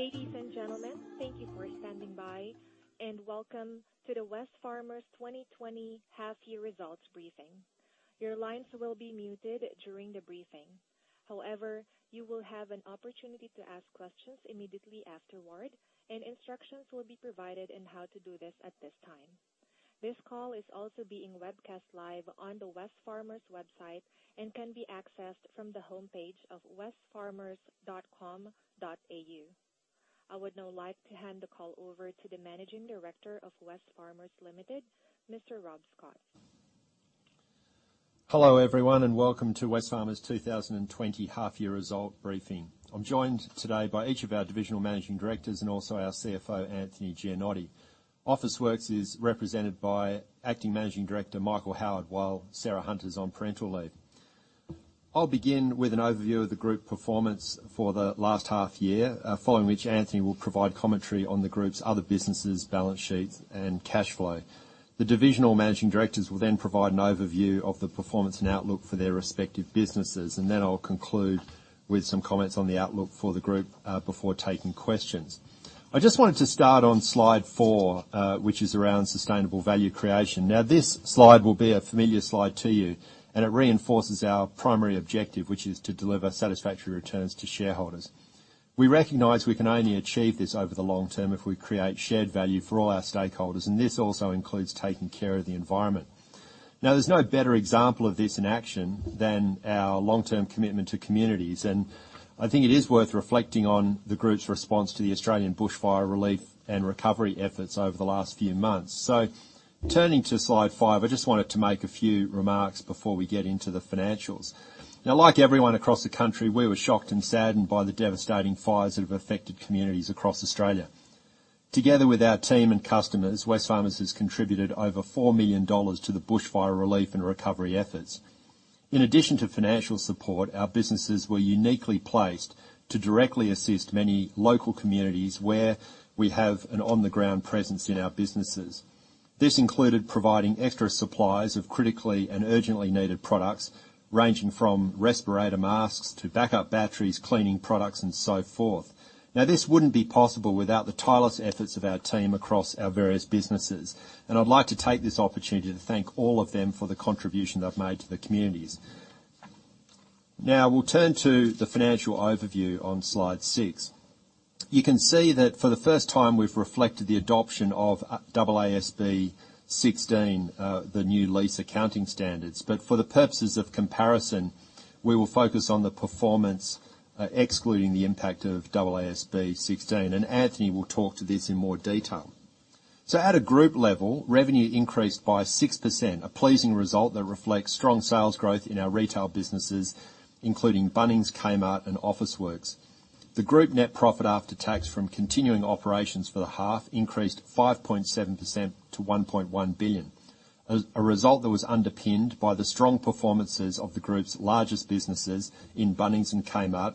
Ladies and gentlemen, thank you for standing by, and welcome to the Wesfarmers 2020 Half-Year Results Briefing. Your lines will be muted during the briefing. However, you will have an opportunity to ask questions immediately afterward, and instructions will be provided on how to do this at this time. This call is also being webcast live on the Wesfarmers website and can be accessed from the homepage of wesfarmers.com.au. I would now like to hand the call over to the Managing Director of Wesfarmers Limited, Mr. Rob Scott. Hello, everyone, and welcome to Wesfarmers 2020 half-year result briefing. I'm joined today by each of our divisional managing directors and also our CFO, Anthony Gianotti. Officeworks is represented by Acting Managing Director, Michael Howard, while Sarah Hunter's on parental leave. I'll begin with an overview of the group performance for the last half-year, following which Anthony will provide commentary on the group's other businesses, balance sheets, and cash flow. The divisional managing directors will then provide an overview of the performance and outlook for their respective businesses, and then I'll conclude with some comments on the outlook for the group before taking questions. I just wanted to start on slide four, which is around sustainable value creation. Now, this slide will be a familiar slide to you, and it reinforces our primary objective, which is to deliver satisfactory returns to shareholders. We recognize we can only achieve this over the long term if we create shared value for all our stakeholders, and this also includes taking care of the environment. Now, there is no better example of this in action than our long-term commitment to communities, and I think it is worth reflecting on the group's response to the Australian bushfire relief and recovery efforts over the last few months. Turning to slide five, I just wanted to make a few remarks before we get into the financials. Like everyone across the country, we were shocked and saddened by the devastating fires that have affected communities across Australia. Together with our team and customers, Wesfarmers has contributed over 4 million dollars to the bushfire relief and recovery efforts. In addition to financial support, our businesses were uniquely placed to directly assist many local communities where we have an on-the-ground presence in our businesses. This included providing extra supplies of critically and urgently needed products, ranging from respirator masks to backup batteries, cleaning products, and so forth. Now, this would not be possible without the tireless efforts of our team across our various businesses, and I'd like to take this opportunity to thank all of them for the contribution they've made to the communities. Now, we'll turn to the financial overview on slide six. You can see that for the first time we've reflected the adoption of AASB 16, the new lease accounting standards, but for the purposes of comparison, we will focus on the performance, excluding the impact of AASB 16, and Anthony will talk to this in more detail. At a group level, revenue increased by 6%, a pleasing result that reflects strong sales growth in our retail businesses, including Bunnings, Kmart, and Officeworks. The group net profit after tax from continuing operations for the half increased 5.7% to 1.1 billion, a result that was underpinned by the strong performances of the group's largest businesses in Bunnings and Kmart,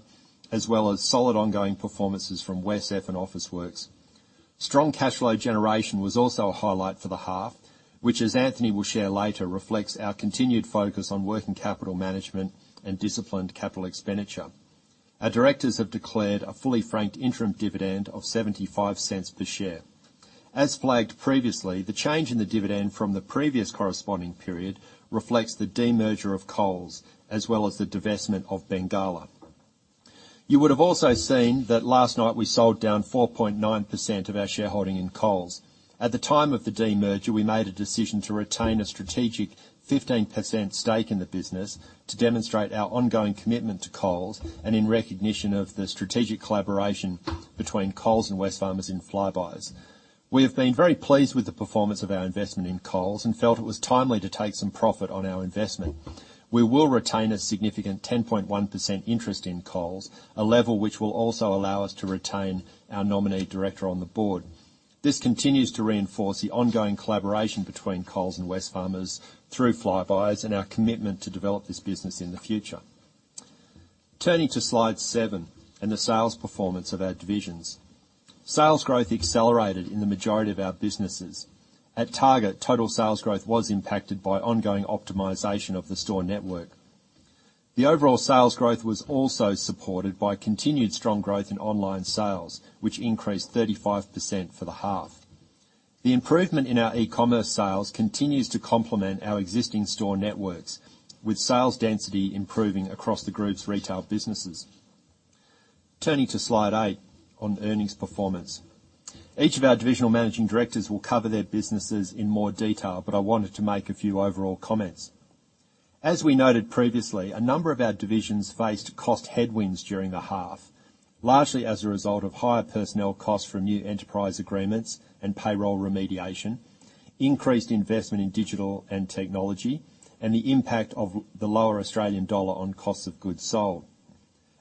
as well as solid ongoing performances from WesCEF and Officeworks. Strong cash flow generation was also a highlight for the half, which, as Anthony will share later, reflects our continued focus on working capital management and disciplined capital expenditure. Our directors have declared a fully franked interim dividend of 0.75 per share. As flagged previously, the change in the dividend from the previous corresponding period reflects the demerger of Coles, as well as the divestment of Bengalla. You would have also seen that last night we sold down 4.9% of our shareholding in Coles. At the time of the demerger, we made a decision to retain a strategic 15% stake in the business to demonstrate our ongoing commitment to Coles and in recognition of the strategic collaboration between Coles and Wesfarmers in Flybuys. We have been very pleased with the performance of our investment in Coles and felt it was timely to take some profit on our investment. We will retain a significant 10.1% interest in Coles, a level which will also allow us to retain our nominee director on the board. This continues to reinforce the ongoing collaboration between Coles and Wesfarmers through Flybuys and our commitment to develop this business in the future. Turning to slide seven and the sales performance of our divisions. Sales growth accelerated in the majority of our businesses. At Target, total sales growth was impacted by ongoing optimization of the store network. The overall sales growth was also supported by continued strong growth in online sales, which increased 35% for the half. The improvement in our e-commerce sales continues to complement our existing store networks, with sales density improving across the group's retail businesses. Turning to slide eight on earnings performance. Each of our divisional Managing Directors will cover their businesses in more detail, but I wanted to make a few overall comments. As we noted previously, a number of our divisions faced cost headwinds during the half, largely as a result of higher personnel costs from new enterprise agreements and payroll remediation, increased investment in digital and technology, and the impact of the lower Australian dollar on costs of goods sold.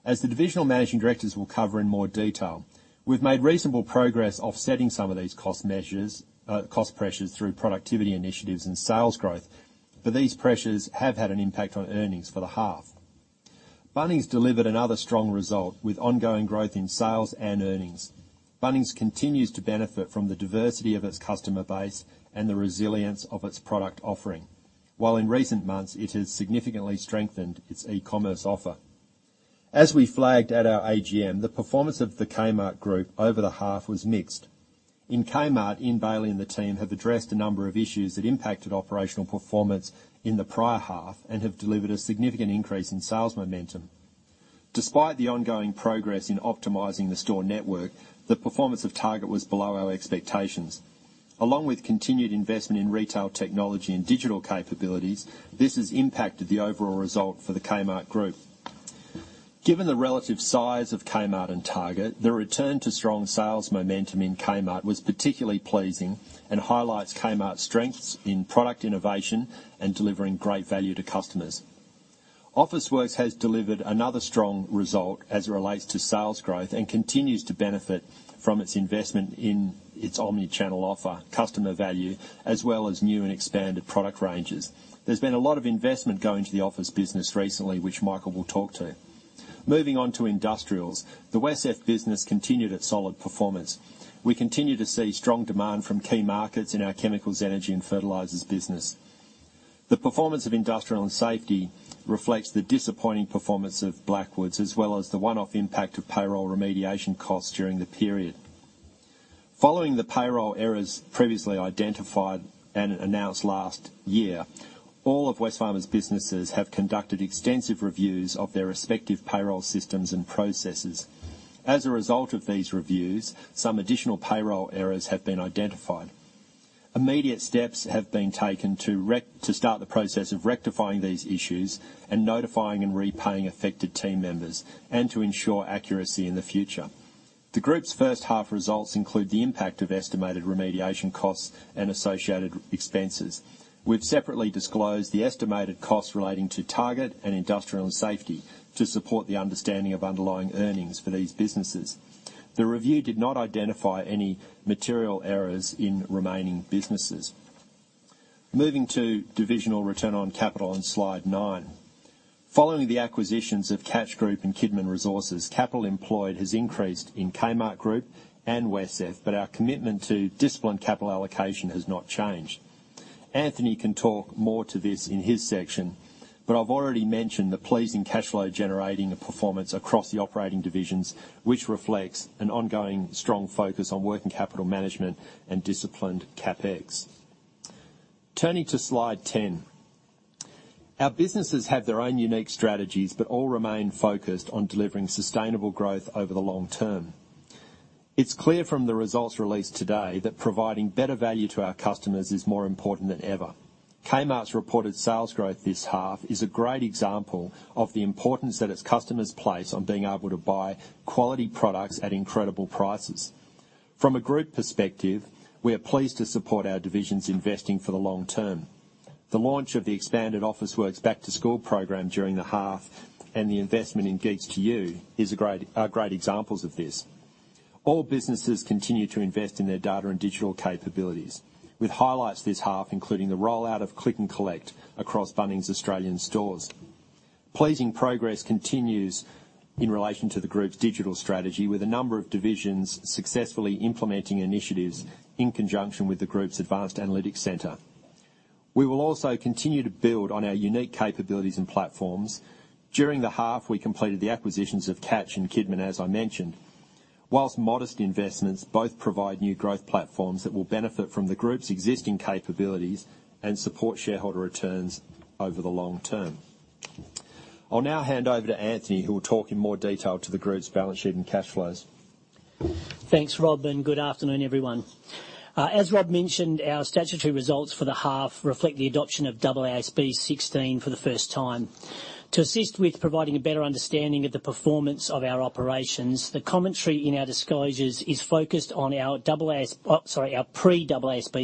As the Divisional Managing Directors will cover in more detail, we've made reasonable progress offsetting some of these cost pressures through productivity initiatives and sales growth, but these pressures have had an impact on earnings for the half. Bunnings delivered another strong result with ongoing growth in sales and earnings. Bunnings continues to benefit from the diversity of its customer base and the resilience of its product offering, while in recent months it has significantly strengthened its e-commerce offer. As we flagged at our AGM, the performance of the Kmart Group over the half was mixed. In Kmart, Ian Bailey and the team have addressed a number of issues that impacted operational performance in the prior half and have delivered a significant increase in sales momentum. Despite the ongoing progress in optimizing the store network, the performance of Target was below our expectations. Along with continued investment in retail technology and digital capabilities, this has impacted the overall result for the Kmart Group. Given the relative size of Kmart and Target, the return to strong sales momentum in Kmart was particularly pleasing and highlights Kmart's strengths in product innovation and delivering great value to customers. Officeworks has delivered another strong result as it relates to sales growth and continues to benefit from its investment in its omnichannel offer, customer value, as well as new and expanded product ranges. There's been a lot of investment going to the office business recently, which Michael will talk to. Moving on to industrials, the WesCEF business continued at solid performance. We continue to see strong demand from key markets in our chemicals, energy, and fertilizers business. The performance of Industrial and Safety reflects the disappointing performance of Blackwoods, as well as the one-off impact of payroll remediation costs during the period. Following the payroll errors previously identified and announced last year, all of Wesfarmers' businesses have conducted extensive reviews of their respective payroll systems and processes. As a result of these reviews, some additional payroll errors have been identified. Immediate steps have been taken to start the process of rectifying these issues and notifying and repaying affected team members, and to ensure accuracy in the future. The group's first half results include the impact of estimated remediation costs and associated expenses. We've separately disclosed the estimated costs relating to Target and Industrial and Safety to support the understanding of underlying earnings for these businesses. The review did not identify any material errors in remaining businesses. Moving to divisional return on capital on slide nine. Following the acquisitions of Catch Group and Kidman Resources, capital employed has increased in Kmart Group and WesCEF, but our commitment to disciplined capital allocation has not changed. Anthony can talk more to this in his section, but I've already mentioned the pleasing cash flow generating performance across the operating divisions, which reflects an ongoing strong focus on working capital management and disciplined CapEx. Turning to slide ten, our businesses have their own unique strategies, but all remain focused on delivering sustainable growth over the long term. It's clear from the results released today that providing better value to our customers is more important than ever. Kmart's reported sales growth this half is a great example of the importance that its customers place on being able to buy quality products at incredible prices. From a group perspective, we are pleased to support our divisions investing for the long term. The launch of the expanded Officeworks back-to-school program during the half and the investment in Geeks2U are great examples of this. All businesses continue to invest in their data and digital capabilities, with highlights this half including the rollout of Click & Collect across Bunnings Australian stores. Pleasing progress continues in relation to the group's digital strategy, with a number of divisions successfully implementing initiatives in conjunction with the group's Advanced Analytics Centre. We will also continue to build on our unique capabilities and platforms. During the half, we completed the acquisitions of Catch Group and Kidman Resources, as I mentioned, whilst modest investments both provide new growth platforms that will benefit from the group's existing capabilities and support shareholder returns over the long term. I'll now hand over to Anthony, who will talk in more detail to the group's balance sheet and cash flows. Thanks, Rob, and good afternoon, everyone. As Rob mentioned, our statutory results for the half reflect the adoption of AASB 16 for the first time. To assist with providing a better understanding of the performance of our operations, the commentary in our disclosures is focused on our pre-AASB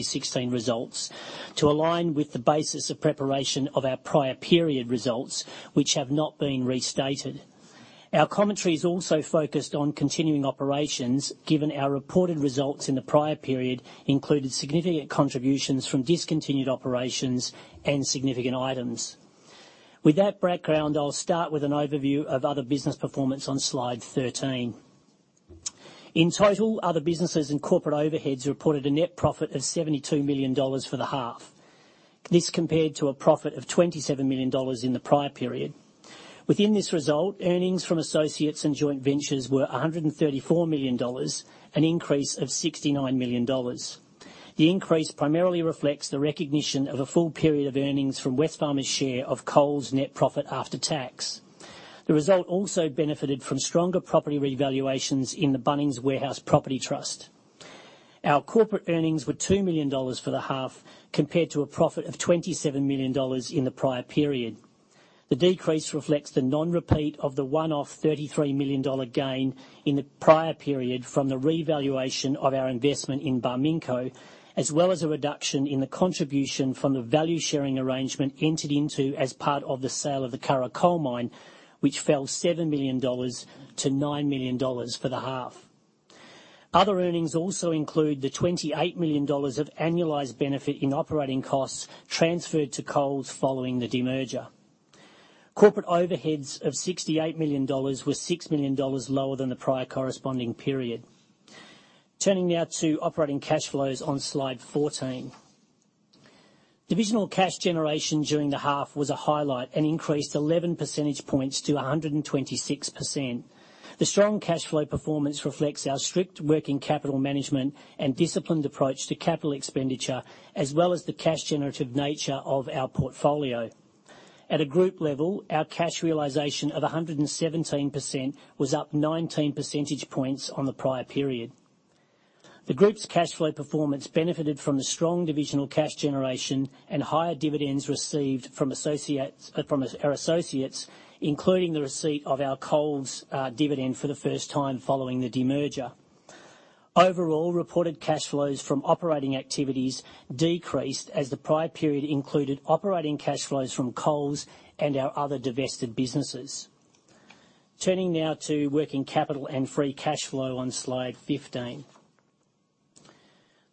16 results to align with the basis of preparation of our prior period results, which have not been restated. Our commentary is also focused on continuing operations, given our reported results in the prior period included significant contributions from discontinued operations and significant items. With that background, I'll start with an overview of other business performance on slide 13. In total, other businesses and corporate overheads reported a net profit of 72 million dollars for the half. This compared to a profit of 27 million dollars in the prior period. Within this result, earnings from associates and joint ventures were 134 million dollars, an increase of 69 million dollars. The increase primarily reflects the recognition of a full period of earnings from Wesfarmers' share of Coles net profit after tax. The result also benefited from stronger property revaluations in the Bunnings Warehouse Property Trust. Our corporate earnings were 2 million dollars for the half, compared to a profit of 27 million dollars in the prior period. The decrease reflects the non-repeat of the one-off 33 million dollar gain in the prior period from the revaluation of our investment in Barminco, as well as a reduction in the contribution from the value-sharing arrangement entered into as part of the sale of the Curragh Coal Mine, which fell 7 million dollars to 9 million dollars for the half. Other earnings also include the 28 million dollars of annualized benefit in operating costs transferred to Coles following the demerger. Corporate overheads of 68 million dollars were 6 million dollars lower than the prior corresponding period. Turning now to operating cash flows on slide 14. Divisional cash generation during the half was a highlight and increased 11 percentage points to 126%. The strong cash flow performance reflects our strict working capital management and disciplined approach to capital expenditure, as well as the cash-generative nature of our portfolio. At a group level, our cash realization of 117% was up 19 percentage points on the prior period. The group's cash flow performance benefited from the strong divisional cash generation and higher dividends received from our associates, including the receipt of our Coles dividend for the first time following the demerger. Overall, reported cash flows from operating activities decreased as the prior period included operating cash flows from Coles and our other divested businesses. Turning now to working capital and free cash flow on slide 15.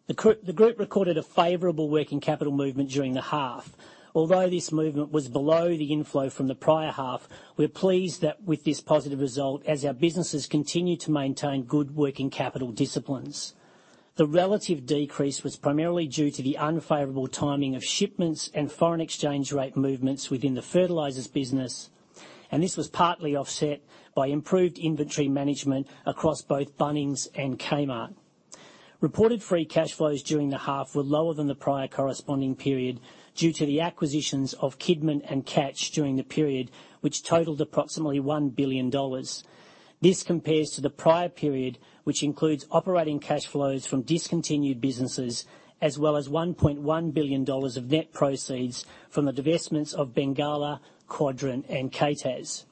The group recorded a favorable working capital movement during the half. Although this movement was below the inflow from the prior half, we're pleased with this positive result as our businesses continue to maintain good working capital disciplines. The relative decrease was primarily due to the unfavorable timing of shipments and foreign exchange rate movements within the fertilizers business, and this was partly offset by improved inventory management across both Bunnings and Kmart. Reported free cash flows during the half were lower than the prior corresponding period due to the acquisitions of Kidman and Catch during the period, which totaled approximately 1 billion dollars. This compares to the prior period, which includes operating cash flows from discontinued businesses, as well as 1.1 billion dollars of net proceeds from the divestments of Bengalla, Quadrant, and KTAS.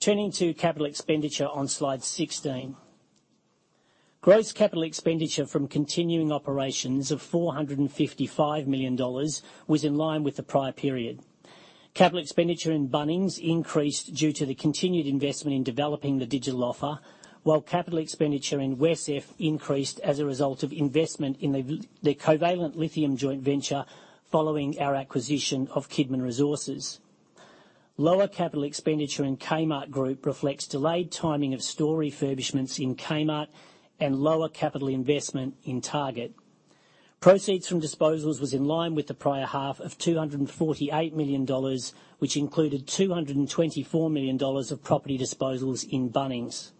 Turning to capital expenditure on slide 16. Gross capital expenditure from continuing operations of 455 million dollars was in line with the prior period. Capital expenditure in Bunnings increased due to the continued investment in developing the digital offer, while capital expenditure in WesCEF increased as a result of investment in the Covalent Lithium joint venture following our acquisition of Kidman Resources. Lower capital expenditure in Kmart Group reflects delayed timing of store refurbishments in Kmart and lower capital investment in Target. Proceeds from disposals was in line with the prior half of 248 million dollars, which included 224 million dollars of property disposals in Bunnings.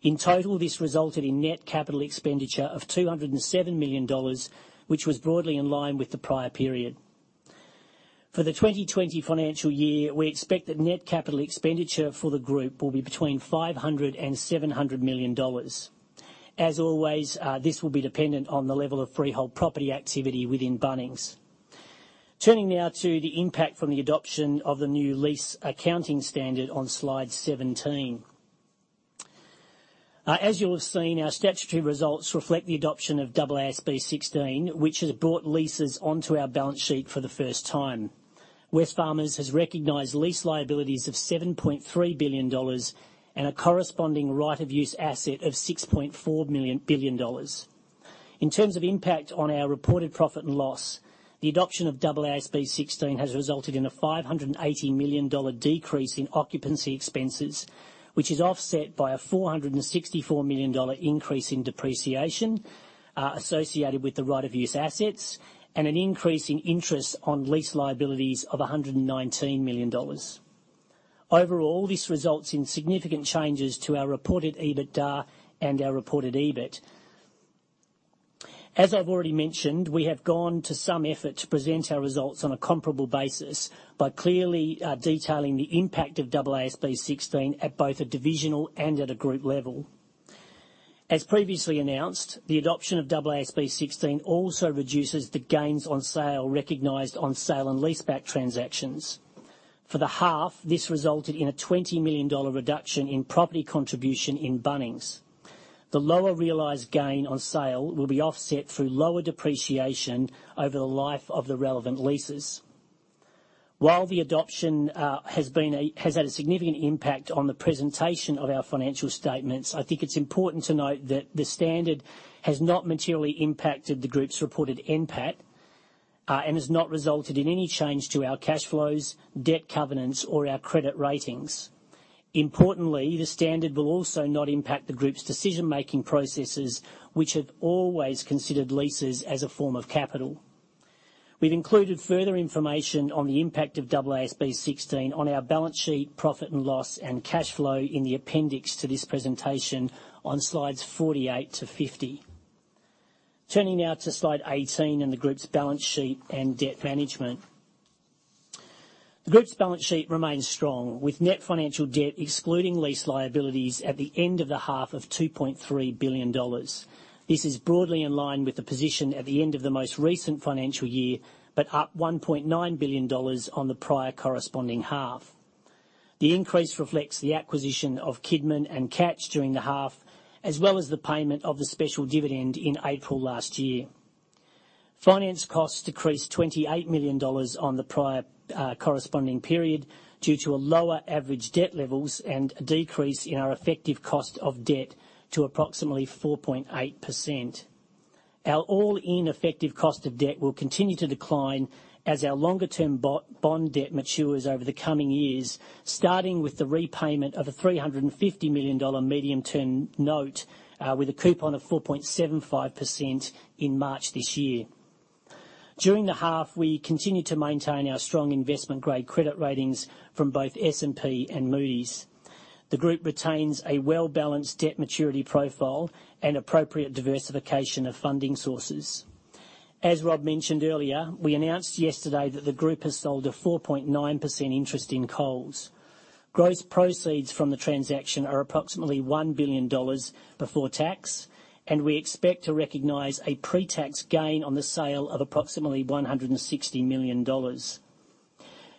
In total, this resulted in net capital expenditure of 207 million dollars, which was broadly in line with the prior period. For the 2020 financial year, we expect that net capital expenditure for the group will be between 500-700 million dollars. As always, this will be dependent on the level of freehold property activity within Bunnings. Turning now to the impact from the adoption of the new lease accounting standard on slide 17. As you'll have seen, our statutory results reflect the adoption of AASB 16, which has brought leases onto our balance sheet for the first time. Wesfarmers has recognized lease liabilities of 7.3 billion dollars and a corresponding right-of-use asset of 6.4 billion dollars. In terms of impact on our reported profit and loss, the adoption of AASB 16 has resulted in a 580 million dollar decrease in occupancy expenses, which is offset by a 464 million dollar increase in depreciation associated with the right-of-use assets and an increase in interest on lease liabilities of 119 million dollars. Overall, this results in significant changes to our reported EBITDA and our reported EBIT. As I've already mentioned, we have gone to some effort to present our results on a comparable basis by clearly detailing the impact of AASB 16 at both a divisional and at a group level. As previously announced, the adoption of AASB 16 also reduces the gains on sale recognized on sale and lease-back transactions. For the half, this resulted in a 20 million dollar reduction in property contribution in Bunnings. The lower realized gain on sale will be offset through lower depreciation over the life of the relevant leases. While the adoption has had a significant impact on the presentation of our financial statements, I think it's important to note that the standard has not materially impacted the group's reported NPAT and has not resulted in any change to our cash flows, debt covenants, or our credit ratings. Importantly, the standard will also not impact the group's decision-making processes, which have always considered leases as a form of capital. We've included further information on the impact of AASB 16 on our balance sheet, profit and loss, and cash flow in the appendix to this presentation on slides 48 to 50. Turning now to slide 18 and the group's balance sheet and debt management. The group's balance sheet remains strong, with net financial debt excluding lease liabilities at the end of the half of 2.3 billion dollars. This is broadly in line with the position at the end of the most recent financial year, but up 1.9 billion dollars on the prior corresponding half. The increase reflects the acquisition of Kidman and Catch during the half, as well as the payment of the special dividend in April last year. Finance costs decreased 28 million dollars on the prior corresponding period due to lower average debt levels and a decrease in our effective cost of debt to approximately 4.8%. Our all-in effective cost of debt will continue to decline as our longer-term bond debt matures over the coming years, starting with the repayment of a 350 million dollar medium-term note with a coupon of 4.75% in March this year. During the half, we continue to maintain our strong investment-grade credit ratings from both S&P and Moody's. The group retains a well-balanced debt maturity profile and appropriate diversification of funding sources. As Rob mentioned earlier, we announced yesterday that the group has sold a 4.9% interest in Coles. Gross proceeds from the transaction are approximately 1 billion dollars before tax, and we expect to recognize a pre-tax gain on the sale of approximately 160 million dollars.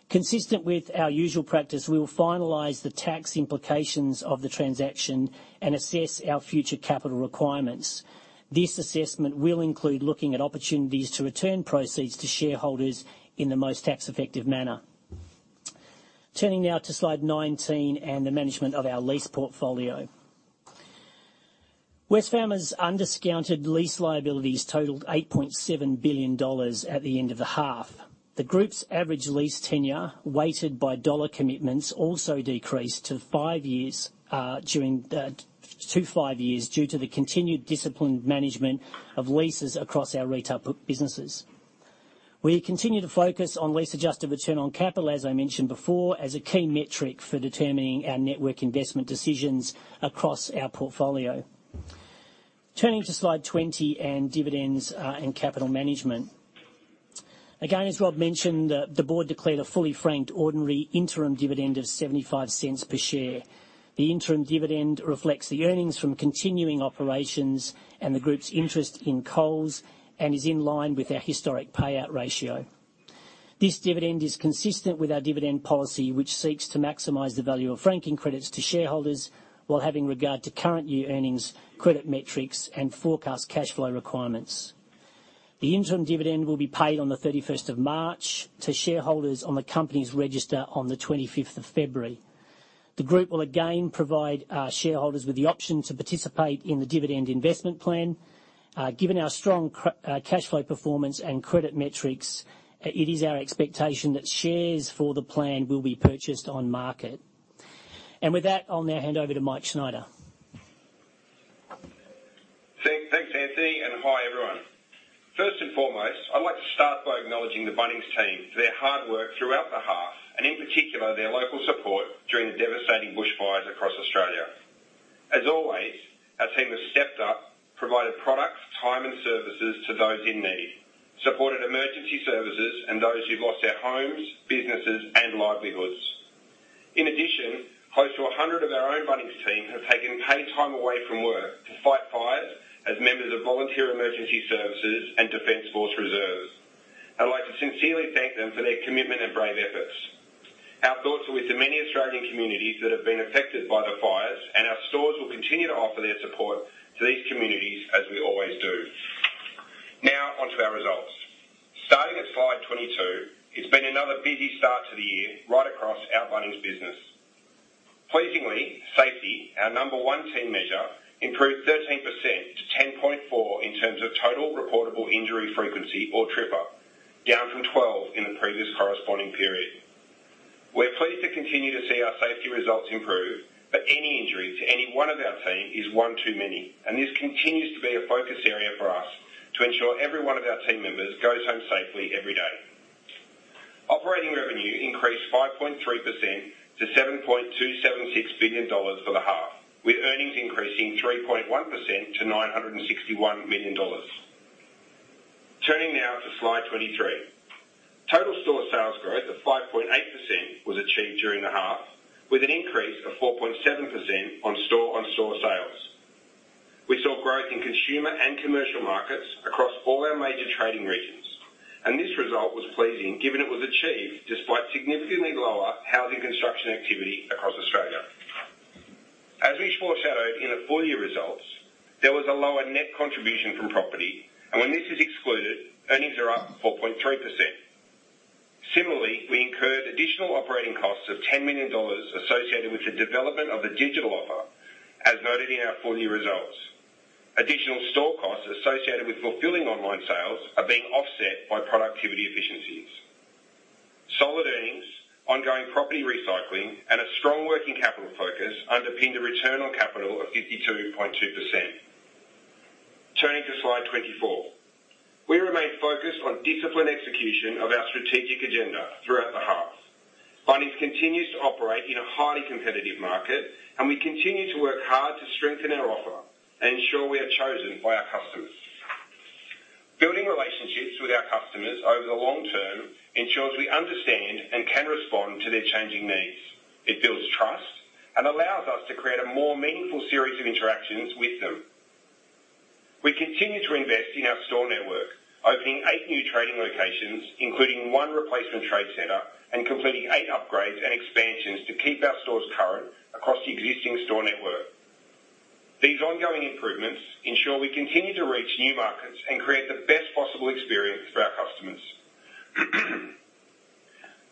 Consistent with our usual practice, we will finalize the tax implications of the transaction and assess our future capital requirements. This assessment will include looking at opportunities to return proceeds to shareholders in the most tax-effective manner. Turning now to slide 19 and the management of our lease portfolio. Wesfarmers' undiscounted lease liabilities totaled 8.7 billion dollars at the end of the half. The group's average lease tenure, weighted by dollar commitments, also decreased to five years due to the continued disciplined management of leases across our retail businesses. We continue to focus on lease-adjusted return on capital, as I mentioned before, as a key metric for determining our network investment decisions across our portfolio. Turning to slide 20 and dividends and capital management. Again, as Rob mentioned, the board declared a fully-franked ordinary interim dividend of 0.75 per share. The interim dividend reflects the earnings from continuing operations and the group's interest in Coles and is in line with our historic payout ratio. This dividend is consistent with our dividend policy, which seeks to maximize the value of franking credits to shareholders while having regard to current year earnings, credit metrics, and forecast cash flow requirements. The interim dividend will be paid on the 31st of March to shareholders on the company's register on the 25th of February. The group will again provide shareholders with the option to participate in the dividend investment plan. Given our strong cash flow performance and credit metrics, it is our expectation that shares for the plan will be purchased on market. With that, I'll now hand over to Mike Schneider. Thanks, Anthony, and hi everyone. First and foremost, I'd like to start by acknowledging the Bunnings team for their hard work throughout the half and, in particular, their local support during the devastating bushfires across Australia. As always, our team has stepped up, provided products, time, and services to those in need, supported emergency services, and those who've lost their homes, businesses, and livelihoods. In addition, close to 100 of our own Bunnings team have taken paid time away from work to fight fires as members of Volunteer Emergency Services and Defence Force Reserves. I'd like to sincerely thank them for their commitment and brave efforts. Our thoughts are with the many Australian communities that have been affected by the fires, and our stores will continue to offer their support to these communities as we always do. Now, onto our results. Starting at slide 22, it's been another busy start to the year right across our Bunnings business. Pleasingly, safety, our number one team measure, improved 13% to 10.4 in terms of total reportable injury frequency, or TRIFR, down from 12 in the previous corresponding period. We're pleased to continue to see our safety results improve, but any injury to any one of our team is one too many, and this continues to be a focus area for us to ensure every one of our team members goes home safely every day. Operating revenue increased 5.3% to AUD 7.276 billion for the half, with earnings increasing 3.1% to AUD 961 million. Turning now to slide 23. Total store sales growth of 5.8% was achieved during the half, with an increase of 4.7% on store-on-store sales. We saw growth in consumer and commercial markets across all our major trading regions, and this result was pleasing given it was achieved despite significantly lower housing construction activity across Australia. As we foreshadowed in the full year results, there was a lower net contribution from property, and when this is excluded, earnings are up 4.3%. Similarly, we incurred additional operating costs of 10 million dollars associated with the development of the digital offer, as noted in our full year results. Additional store costs associated with fulfilling online sales are being offset by productivity efficiencies. Solid earnings, ongoing property recycling, and a strong working capital focus underpin the return on capital of 52.2%. Turning to slide 24, we remain focused on disciplined execution of our strategic agenda throughout the half. Bunnings continues to operate in a highly competitive market, and we continue to work hard to strengthen our offer and ensure we are chosen by our customers. Building relationships with our customers over the long term ensures we understand and can respond to their changing needs. It builds trust and allows us to create a more meaningful series of interactions with them. We continue to invest in our store network, opening eight new trading locations, including one replacement trade center, and completing eight upgrades and expansions to keep our stores current across the existing store network. These ongoing improvements ensure we continue to reach new markets and create the best possible experience for our customers.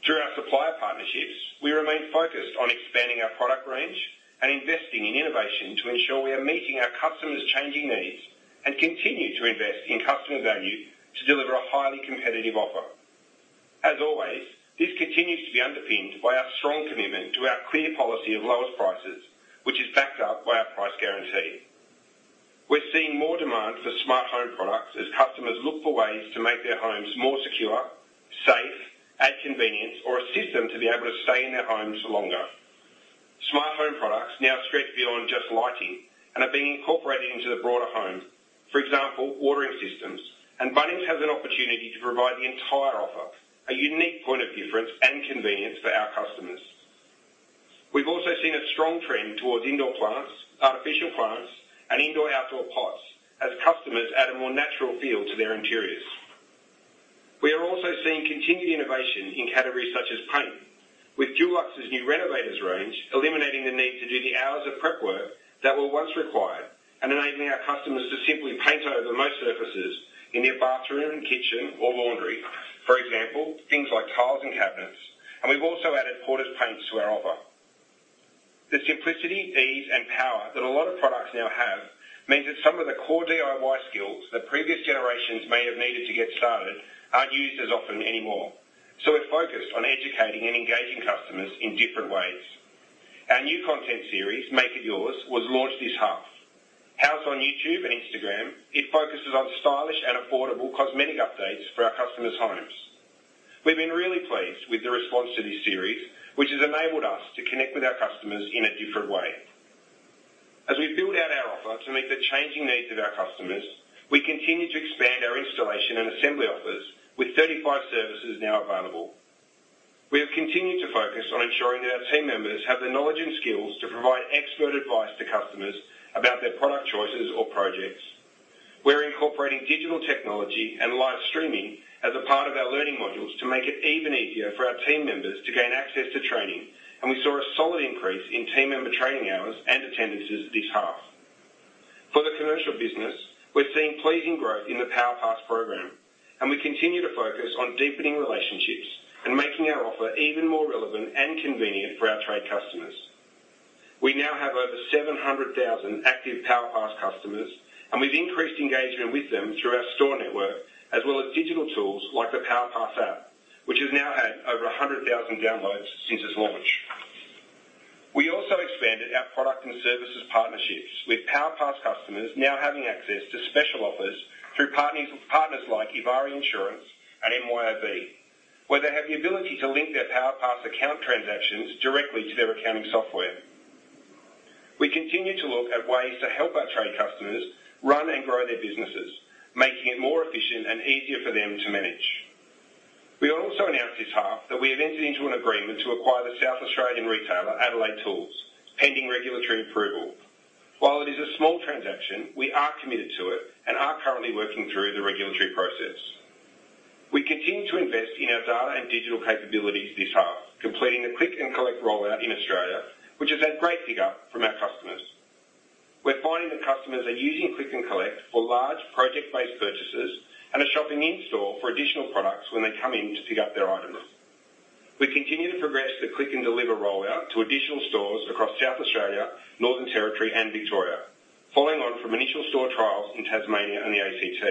Through our supplier partnerships, we remain focused on expanding our product range and investing in innovation to ensure we are meeting our customers' changing needs and continue to invest in customer value to deliver a highly competitive offer. As always, this continues to be underpinned by our strong commitment to our clear policy of lowest prices, which is backed up by our Price Guarantee. We're seeing more demand for smart home products as customers look for ways to make their homes more secure, safe, add convenience, or assist them to be able to stay in their homes for longer. Smart home products now stretch beyond just lighting and are being incorporated into the broader home, for example, watering systems, and Bunnings has an opportunity to provide the entire offer, a unique point of difference and convenience for our customers. We've also seen a strong trend towards indoor plants, artificial plants, and indoor-outdoor pots as customers add a more natural feel to their interiors. We are also seeing continued innovation in categories such as paint, with Dulux's new Renovation Range eliminating the need to do the hours of prep work that were once required and enabling our customers to simply paint over most surfaces in their bathroom, kitchen, or laundry, for example, things like tiles and cabinets, and we've also added Porter's Paints to our offer. The simplicity, ease, and power that a lot of products now have means that some of the core DIY skills that previous generations may have needed to get started aren't used as often anymore, so we're focused on educating and engaging customers in different ways. Our new content series, Make It Yours, was launched this half. Housed on YouTube and Instagram, it focuses on stylish and affordable cosmetic updates for our customers' homes. We've been really pleased with the response to this series, which has enabled us to connect with our customers in a different way. As we build out our offer to meet the changing needs of our customers, we continue to expand our installation and assembly offers with 35 services now available. We have continued to focus on ensuring that our team members have the knowledge and skills to provide expert advice to customers about their product choices or projects. We're incorporating digital technology and live streaming as a part of our learning modules to make it even easier for our team members to gain access to training, and we saw a solid increase in team member training hours and attendances this half. For the commercial business, we're seeing pleasing growth in the PowerPass program, and we continue to focus on deepening relationships and making our offer even more relevant and convenient for our trade customers. We now have over 700,000 active PowerPass customers, and we've increased engagement with them through our store network as well as digital tools like the PowerPass app, which has now had over 100,000 downloads since its launch. We also expanded our product and services partnerships, with PowerPass customers now having access to special offers through partners like Evari Insurance and MYOB, where they have the ability to link their PowerPass account transactions directly to their accounting software. We continue to look at ways to help our trade customers run and grow their businesses, making it more efficient and easier for them to manage. We also announced this half that we have entered into an agreement to acquire the South Australian retailer Adelaide Tools, pending regulatory approval. While it is a small transaction, we are committed to it and are currently working through the regulatory process. We continue to invest in our data and digital capabilities this half, completing the Click & Collect rollout in Australia, which has had great pickup from our customers. We're finding that customers are using Click & Collect for large project-based purchases and are shopping in-store for additional products when they come in to pick up their items. We continue to progress the Click & Deliver rollout to additional stores across South Australia, Northern Territory, and Victoria, following on from initial store trials in Tasmania and the ACT.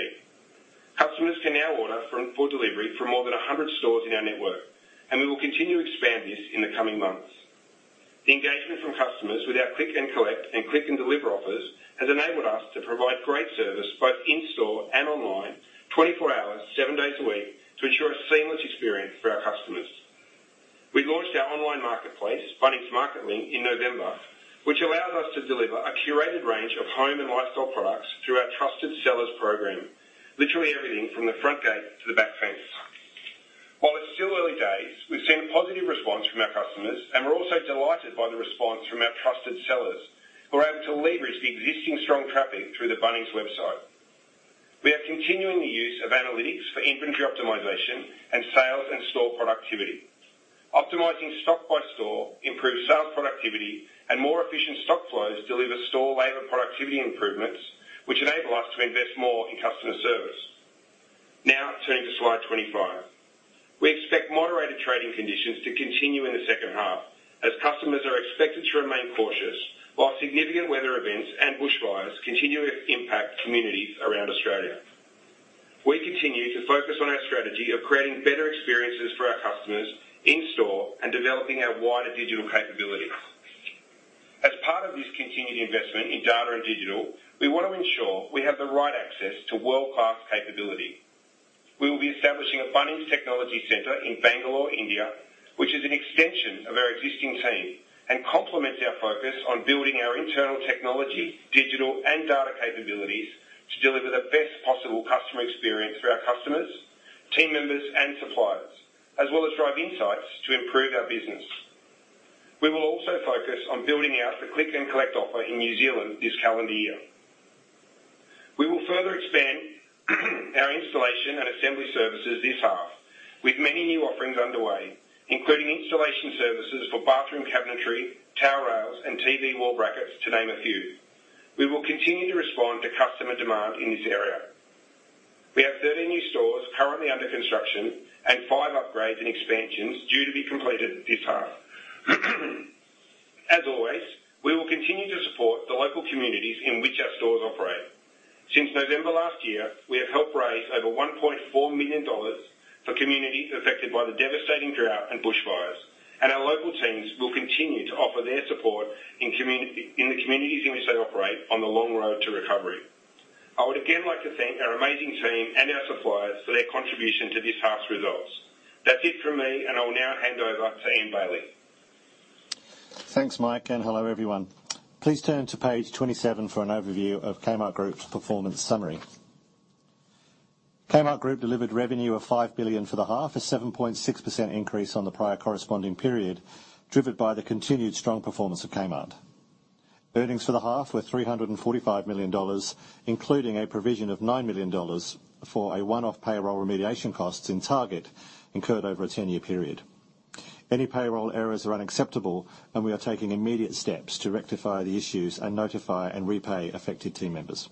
Customers can now order for delivery from more than 100 stores in our network, and we will continue to expand this in the coming months. The engagement from customers with our Click & Collect and Click & Deliver offers has enabled us to provide great service both in-store and online, 24 hours, seven days a week, to ensure a seamless experience for our customers. We launched our online marketplace, Bunnings MarketLink, in November, which allows us to deliver a curated range of home and lifestyle products through our Trusted Sellers Program, literally everything from the front gate to the back fence. While it's still early days, we've seen a positive response from our customers, and we're also delighted by the response from our trusted sellers who are able to leverage the existing strong traffic through the Bunnings website. We are continuing the use of analytics for inventory optimization and sales and store productivity. Optimizing stock by store, improved sales productivity, and more efficient stock flows deliver store labor productivity improvements, which enable us to invest more in customer service. Now, turning to slide 25, we expect moderated trading conditions to continue in the second half as customers are expected to remain cautious while significant weather events and bushfires continue to impact communities around Australia. We continue to focus on our strategy of creating better experiences for our customers in-store and developing our wider digital capabilities. As part of this continued investment in data and digital, we want to ensure we have the right access to world-class capability. We will be establishing a Bunnings Technology Centre in Bangalore, India, which is an extension of our existing team and complements our focus on building our internal technology, digital, and data capabilities to deliver the best possible customer experience for our customers, team members, and suppliers, as well as drive insights to improve our business. We will also focus on building out the Click & Collect offer in New Zealand this calendar year. We will further expand our installation and assembly services this half, with many new offerings underway, including installation services for bathroom cabinetry, towel rails, and TV wall brackets, to name a few. We will continue to respond to customer demand in this area. We have 30 new stores currently under construction and five upgrades and expansions due to be completed this half. As always, we will continue to support the local communities in which our stores operate. Since November last year, we have helped raise over 1.4 million dollars for communities affected by the devastating drought and bushfires, and our local teams will continue to offer their support in the communities in which they operate on the long road to recovery. I would again like to thank our amazing team and our suppliers for their contribution to this half's results. That is it from me, and I will now hand over to Ian Bailey. Thanks, Mike, and hello everyone. Please turn to page 27 for an overview of Kmart Group's performance summary. Kmart Group delivered revenue of 5 billion for the half, a 7.6% increase on the prior corresponding period, driven by the continued strong performance of Kmart. Earnings for the half were 345 million dollars, including a provision of 9 million dollars for one-off payroll remediation costs in Target incurred over a 10-year period. Any payroll errors are unacceptable, and we are taking immediate steps to rectify the issues and notify and repay affected team members.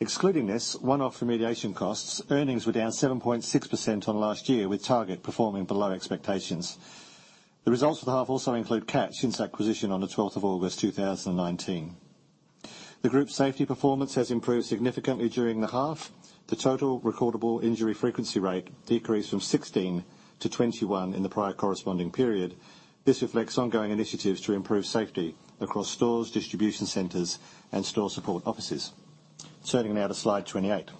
Excluding this one-off remediation costs, earnings were down 7.6% on last year, with Target performing below expectations. The results of the half also include Catch since acquisition on the 12th of August, 2019. The group's safety performance has improved significantly during the half. The total recordable injury frequency rate decreased from 21 to 16 in the prior corresponding period. This reflects ongoing initiatives to improve safety across stores, distribution centers, and store support offices. Turning now to slide 28.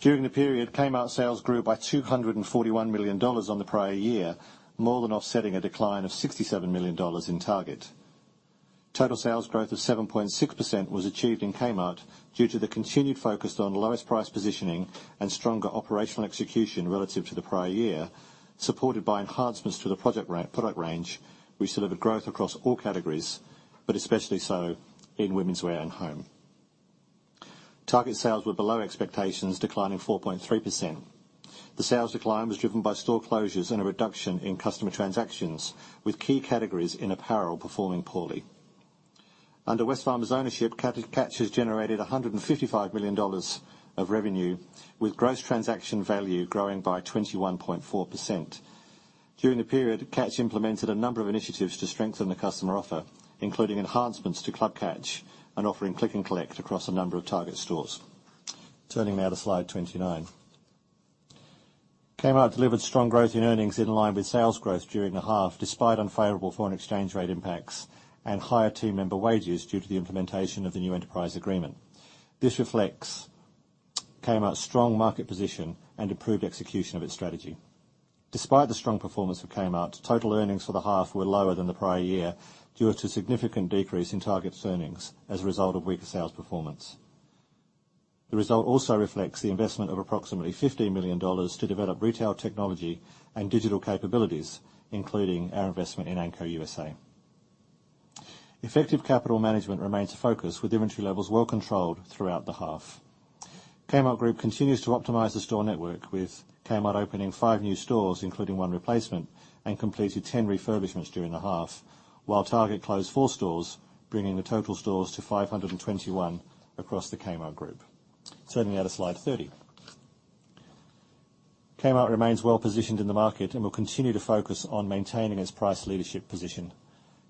During the period, Kmart sales grew by AUD 241 million on the prior year, more than offsetting a decline of AUD 67 million in Target. Total sales growth of 7.6% was achieved in Kmart due to the continued focus on lowest price positioning and stronger operational execution relative to the prior year, supported by enhancements to the product range, which delivered growth across all categories, but especially so in women's wear and home. Target sales were below expectations, declining 4.3%. The sales decline was driven by store closures and a reduction in customer transactions, with key categories in apparel performing poorly. Under Wesfarmers' ownership, Catch has generated 155 million dollars of revenue, with gross transaction value growing by 21.4%. During the period, Catch implemented a number of initiatives to strengthen the customer offer, including enhancements to Club Catch and offering Click & Collect across a number of Target stores. Turning now to slide 29. Kmart delivered strong growth in earnings in line with sales growth during the half, despite unfavorable foreign exchange rate impacts and higher team member wages due to the implementation of the new enterprise agreement. This reflects Kmart's strong market position and improved execution of its strategy. Despite the strong performance of Kmart, total earnings for the half were lower than the prior year due to a significant decrease in Target's earnings as a result of weaker sales performance. The result also reflects the investment of approximately AUD 15 million to develop retail technology and digital capabilities, including our investment in Anko U.S.A. Effective capital management remains a focus, with inventory levels well controlled throughout the half. Kmart Group continues to optimize the store network, with Kmart opening five new stores, including one replacement, and completing 10 refurbishments during the half, while Target closed four stores, bringing the total stores to 521 across the Kmart Group. Turning now to slide 30. Kmart remains well positioned in the market and will continue to focus on maintaining its price leadership position.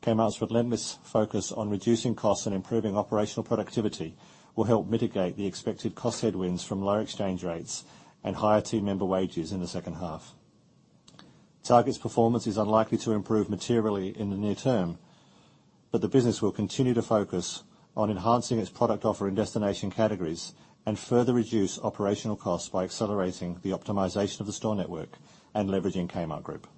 Kmart's relentless focus on reducing costs and improving operational productivity will help mitigate the expected cost headwinds from lower exchange rates and higher team member wages in the second half. Target's performance is unlikely to improve materially in the near term, but the business will continue to focus on enhancing its product offer in destination categories and further reduce operational costs by accelerating the optimization of the store network and leveraging Kmart Group.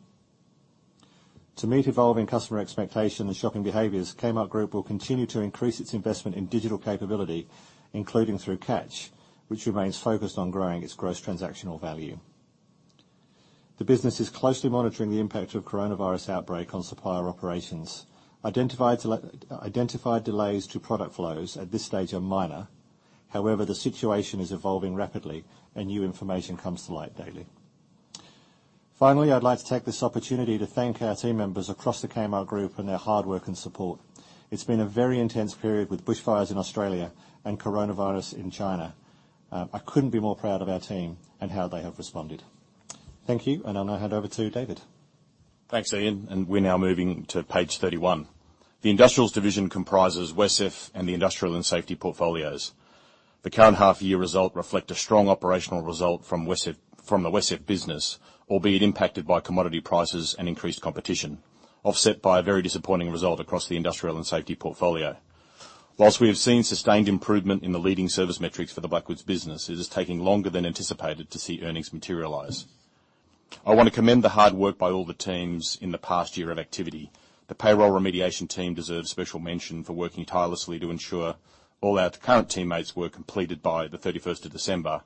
To meet evolving customer expectations and shopping behaviors, Kmart Group will continue to increase its investment in digital capability, including through Catch, which remains focused on growing its gross transactional value. The business is closely monitoring the impact of the coronavirus outbreak on supplier operations. Identified delays to product flows at this stage are minor. However, the situation is evolving rapidly, and new information comes to light daily. Finally, I'd like to take this opportunity to thank our team members across the Kmart Group and their hard work and support. It's been a very intense period with bushfires in Australia and coronavirus in China. I couldn't be more proud of our team and how they have responded. Thank you, and I'll now hand over to David. Thanks, Ian, and we're now moving to page 31. The Industrials division comprises WesCEF and the Industrial and Safety portfolios. The current half-year result reflects a strong operational result from the WesCEF business, albeit impacted by commodity prices and increased competition, offset by a very disappointing result across the Industrial and Safety portfolio. Whilst we have seen sustained improvement in the leading service metrics for the Blackwoods business, it is taking longer than anticipated to see earnings materialize. I want to commend the hard work by all the teams in the past year of activity. The payroll remediation team deserves special mention for working tirelessly to ensure all our current teammates were completed by December 31,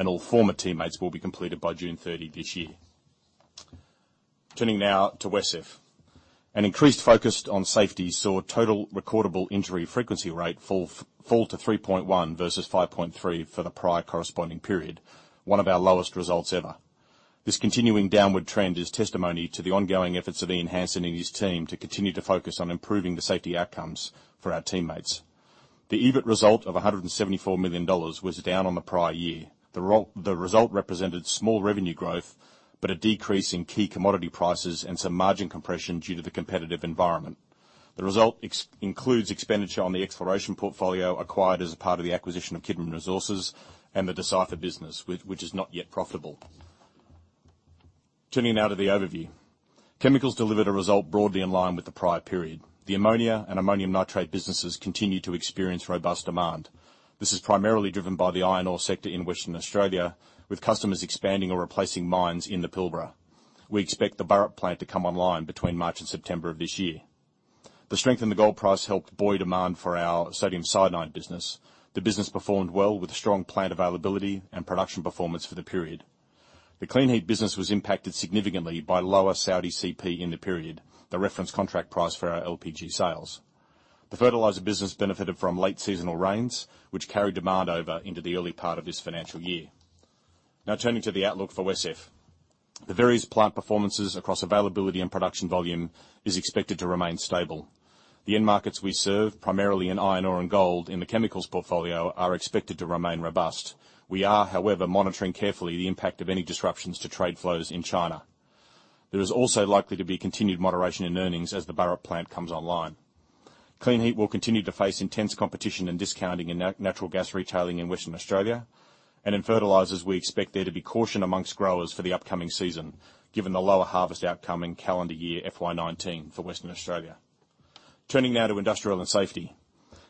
and all former teammates will be completed by June 30 this year. now to WesCEF, an increased focus on safety saw total recordable injury frequency rate fall to 3.1 versus 5.3 for the prior corresponding period, one of our lowest results ever. This continuing downward trend is testimony to the ongoing efforts of Ian Hansen and his team to continue to focus on improving the safety outcomes for our teammates. The EBIT result of 174 million dollars was down on the prior year. The result represented small revenue growth, but a decrease in key commodity prices and some margin compression due to the competitive environment. The result includes expenditure on the exploration portfolio acquired as a part of the acquisition of Kidman Resources and the Decipher business, which is not yet profitable. Turning now to the overview, chemicals delivered a result broadly in line with the prior period. The ammonia and ammonium nitrate businesses continue to experience robust demand. This is primarily driven by the iron ore sector in Western Australia, with customers expanding or replacing mines in the Pilbara. We expect the Burrup plant to come online between March and September of this year. The strength in the gold price helped buoy demand for our sodium cyanide business. The business performed well with strong plant availability and production performance for the period. The Kleenheat business was impacted significantly by lower Saudi CP in the period, the reference contract price for our LPG sales. The fertilizer business benefited from late seasonal rains, which carried demand over into the early part of this financial year. Now, turning to the outlook for WesCEF, the various plant performances across availability and production volume are expected to remain stable. The end markets we serve, primarily in iron ore and gold, in the chemicals portfolio are expected to remain robust. We are, however, monitoring carefully the impact of any disruptions to trade flows in China. There is also likely to be continued moderation in earnings as the Burrup plant comes online. Kleenheat will continue to face intense competition and discounting in natural gas retailing in Western Australia, and in fertilizers, we expect there to be caution amongst growers for the upcoming season, given the lower harvest outcome in calendar year 2019 for Western Australia. Turning now to Industrial and Safety,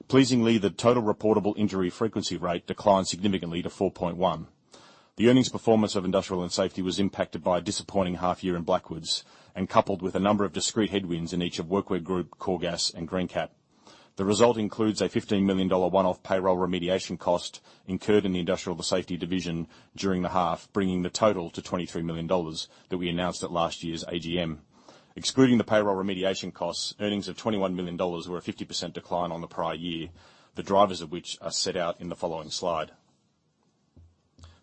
pleasingly, the total recordable injury frequency rate declined significantly to 4.1. The earnings performance of Industrial and Safety was impacted by a disappointing half-year in Blackwoods and coupled with a number of discrete headwinds in each of Workwear Group, Coregas, and Greencap. The result includes a 15 million dollar one-off payroll remediation cost incurred in the Industrial and Safety division during the half, bringing the total to AUD 23 million that we announced at last year's AGM. Excluding the payroll remediation costs, earnings of AUD 21 million were a 50% decline on the prior year, the drivers of which are set out in the following slide.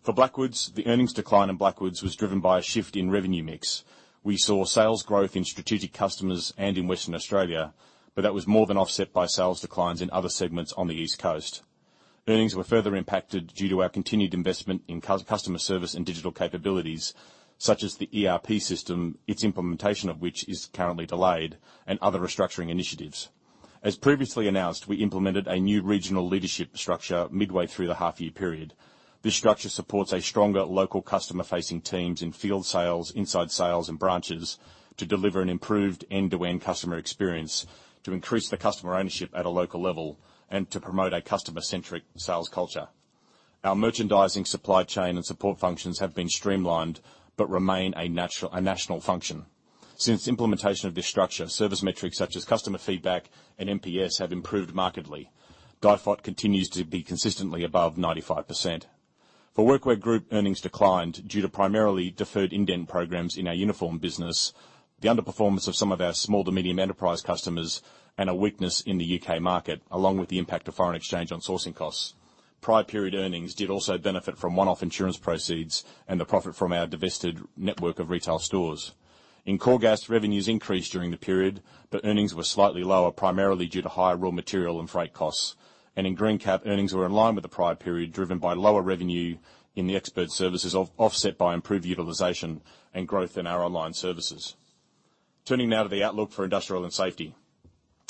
For Blackwoods, the earnings decline in Blackwoods was driven by a shift in revenue mix. We saw sales growth in strategic customers and in Western Australia, but that was more than offset by sales declines in other segments on the East Coast. Earnings were further impacted due to our continued investment in customer service and digital capabilities, such as the ERP system, its implementation of which is currently delayed, and other restructuring initiatives. As previously announced, we implemented a new regional leadership structure midway through the half-year period. This structure supports stronger local customer-facing teams in field sales, inside sales, and branches to deliver an improved end-to-end customer experience, to increase the customer ownership at a local level, and to promote a customer-centric sales culture. Our merchandising, supply chain, and support functions have been streamlined but remain a national function. Since implementation of this structure, service metrics such as customer feedback and NPS have improved markedly. DIFOT continues to be consistently above 95%. For Workwear Group, earnings declined due to primarily deferred indent programs in our uniform business, the underperformance of some of our small to medium enterprise customers, and a weakness in the U.K. market, along with the impact of foreign exchange on sourcing costs. Prior period earnings did also benefit from one-off insurance proceeds and the profit from our divested network of retail stores. In Coregas, revenues increased during the period, but earnings were slightly lower, primarily due to higher raw material and freight costs. In Greencap, earnings were in line with the prior period, driven by lower revenue in the expert services, offset by improved utilization and growth in our online services. Turning now to the outlook for Industrial and Safety,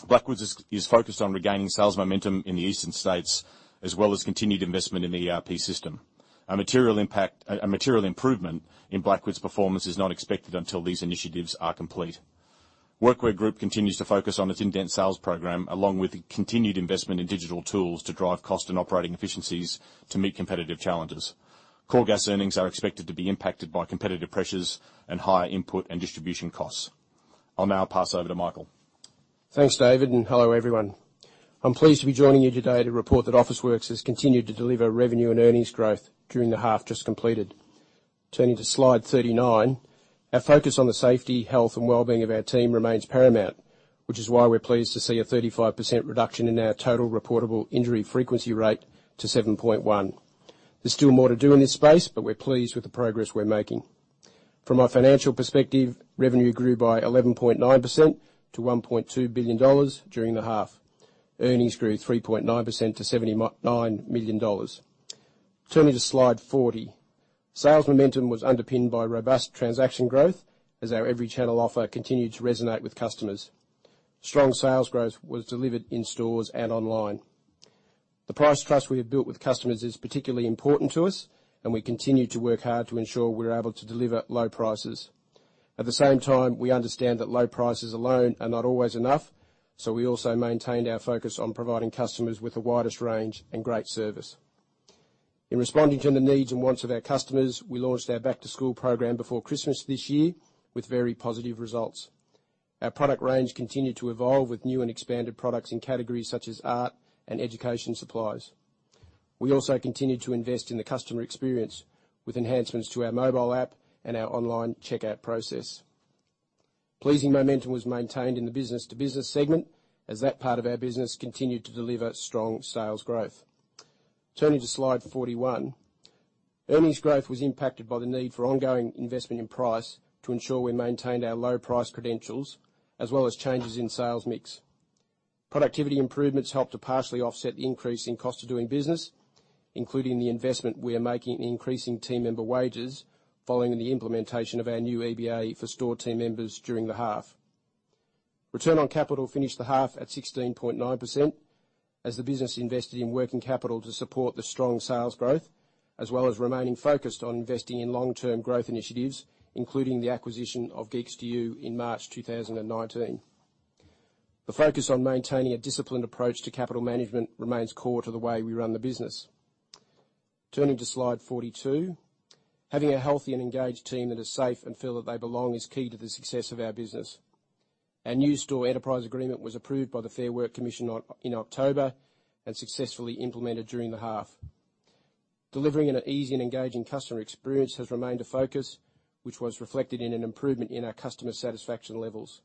Blackwoods is focused on regaining sales momentum in the eastern states, as well as continued investment in the ERP system. A material improvement in Blackwoods' performance is not expected until these initiatives are complete. Workwear Group continues to focus on its indent sales program, along with continued investment in digital tools to drive cost and operating efficiencies to meet competitive challenges. Coregas' earnings are expected to be impacted by competitive pressures and higher input and distribution costs. I'll now pass over to Michael. Thanks, David, and hello everyone. I'm pleased to be joining you today to report that Officeworks has continued to deliver revenue and earnings growth during the half just completed. Turning to slide 39, our focus on the safety, health, and well-being of our team remains paramount, which is why we're pleased to see a 35% reduction in our total recordable injury frequency rate to 7.1%. There's still more to do in this space, but we're pleased with the progress we're making. From our financial perspective, revenue grew by 11.9% to 1.2 billion dollars during the half. Earnings grew 3.9% to 79 million dollars. Turning to slide 40, sales momentum was underpinned by robust transaction growth as our every channel offer continued to resonate with customers. Strong sales growth was delivered in stores and online. The price trust we have built with customers is particularly important to us, and we continue to work hard to ensure we're able to deliver low prices. At the same time, we understand that low prices alone are not always enough, so we also maintained our focus on providing customers with the widest range and great service. In responding to the needs and wants of our customers, we launched our back-to-school program before Christmas this year with very positive results. Our product range continued to evolve with new and expanded products in categories such as art and education supplies. We also continued to invest in the customer experience with enhancements to our mobile app and our online checkout process. Pleasing momentum was maintained in the business-to-business segment as that part of our business continued to deliver strong sales growth. Turning to slide 41, earnings growth was impacted by the need for ongoing investment in price to ensure we maintained our low price credentials, as well as changes in sales mix. Productivity improvements helped to partially offset the increase in cost of doing business, including the investment we are making in increasing team member wages following the implementation of our new EBA for store team members during the half. Return on capital finished the half at 16.9% as the business invested in working capital to support the strong sales growth, as well as remaining focused on investing in long-term growth initiatives, including the acquisition of Geeks2U in March 2019. The focus on maintaining a disciplined approach to capital management remains core to the way we run the business. Turning to slide 42, having a healthy and engaged team that is safe and feel that they belong is key to the success of our business. Our new store enterprise agreement was approved by the Fair Work Commission in October and successfully implemented during the half. Delivering an easy and engaging customer experience has remained a focus, which was reflected in an improvement in our customer satisfaction levels.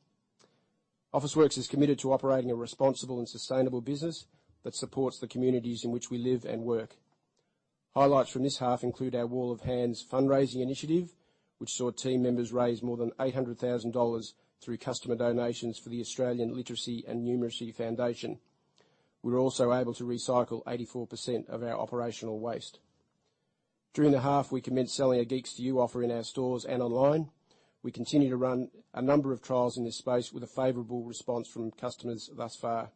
Officeworks is committed to operating a responsible and sustainable business that supports the communities in which we live and work. Highlights from this half include our Wall of Hands fundraising initiative, which saw team members raise more than 800,000 dollars through customer donations for the Australian Literacy and Numeracy Foundation. We were also able to recycle 84% of our operational waste. During the half, we commenced selling a Geeks2U offer in our stores and online. We continue to run a number of trials in this space with a favorable response from customers thus far.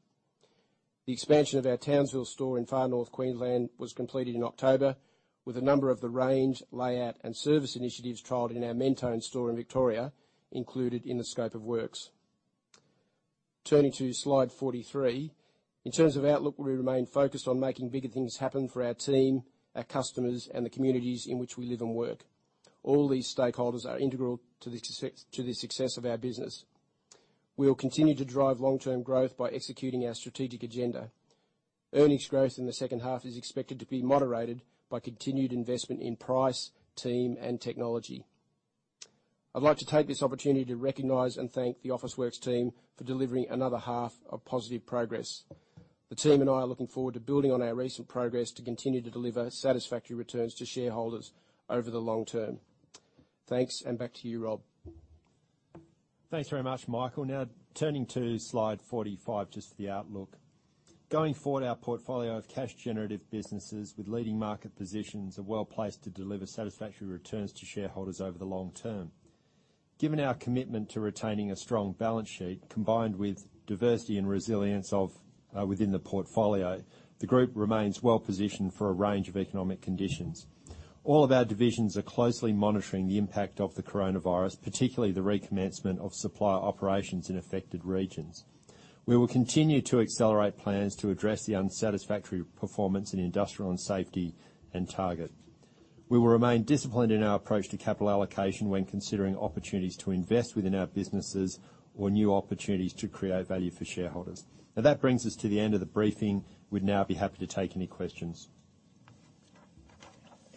The expansion of our Townsville store in Far North Queensland was completed in October, with a number of the range, layout, and service initiatives trialed in our Mentone store in Victoria included in the scope of works. Turning to slide 43, in terms of outlook, we remain focused on making bigger things happen for our team, our customers, and the communities in which we live and work. All these stakeholders are integral to the success of our business. We will continue to drive long-term growth by executing our strategic agenda. Earnings growth in the second half is expected to be moderated by continued investment in price, team, and technology. I'd like to take this opportunity to recognize and thank the Officeworks team for delivering another half of positive progress. The team and I are looking forward to building on our recent progress to continue to deliver satisfactory returns to shareholders over the long term. Thanks, and back to you, Rob. Thanks very much, Michael. Now, turning to slide 45, just for the outlook. Going forward, our portfolio of cash-generative businesses with leading market positions are well placed to deliver satisfactory returns to shareholders over the long term. Given our commitment to retaining a strong balance sheet combined with diversity and resilience within the portfolio, the group remains well positioned for a range of economic conditions. All of our divisions are closely monitoring the impact of the coronavirus, particularly the recommencement of supply operations in affected regions. We will continue to accelerate plans to address the unsatisfactory performance in Industrial and Safety and Target. We will remain disciplined in our approach to capital allocation when considering opportunities to invest within our businesses or new opportunities to create value for shareholders. Now, that brings us to the end of the briefing. We'd now be happy to take any questions.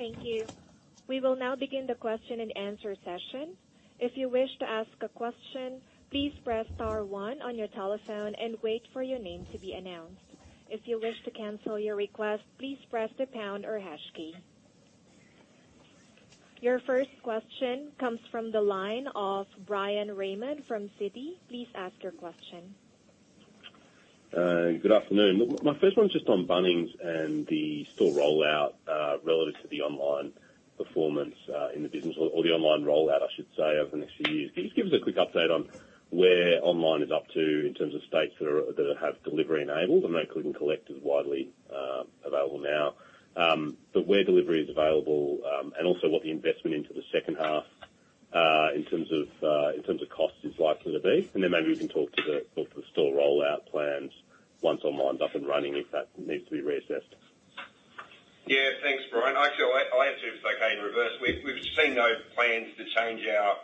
Thank you. We will now begin the question and answer session. If you wish to ask a question, please press star one on your telephone and wait for your name to be announced. If you wish to cancel your request, please press the pound or hash key. Your first question comes from the line of Bryan Raymond from Citi. Please ask your question. Good afternoon. My first one's just on Bunnings and the store rollout relative to the online performance in the business, or the online rollout, I should say, over the next few years. Can you just give us a quick update on where online is up to in terms of states that have delivery enabled? I know Click & Collect is widely available now, but where delivery is available and also what the investment into the second half in terms of costs is likely to be? Maybe we can talk to the store rollout plans once online's up and running if that needs to be reassessed. Yeah, thanks, Bryan. Actually, I'll answer if it's okay in reverse. We've seen no plans to change our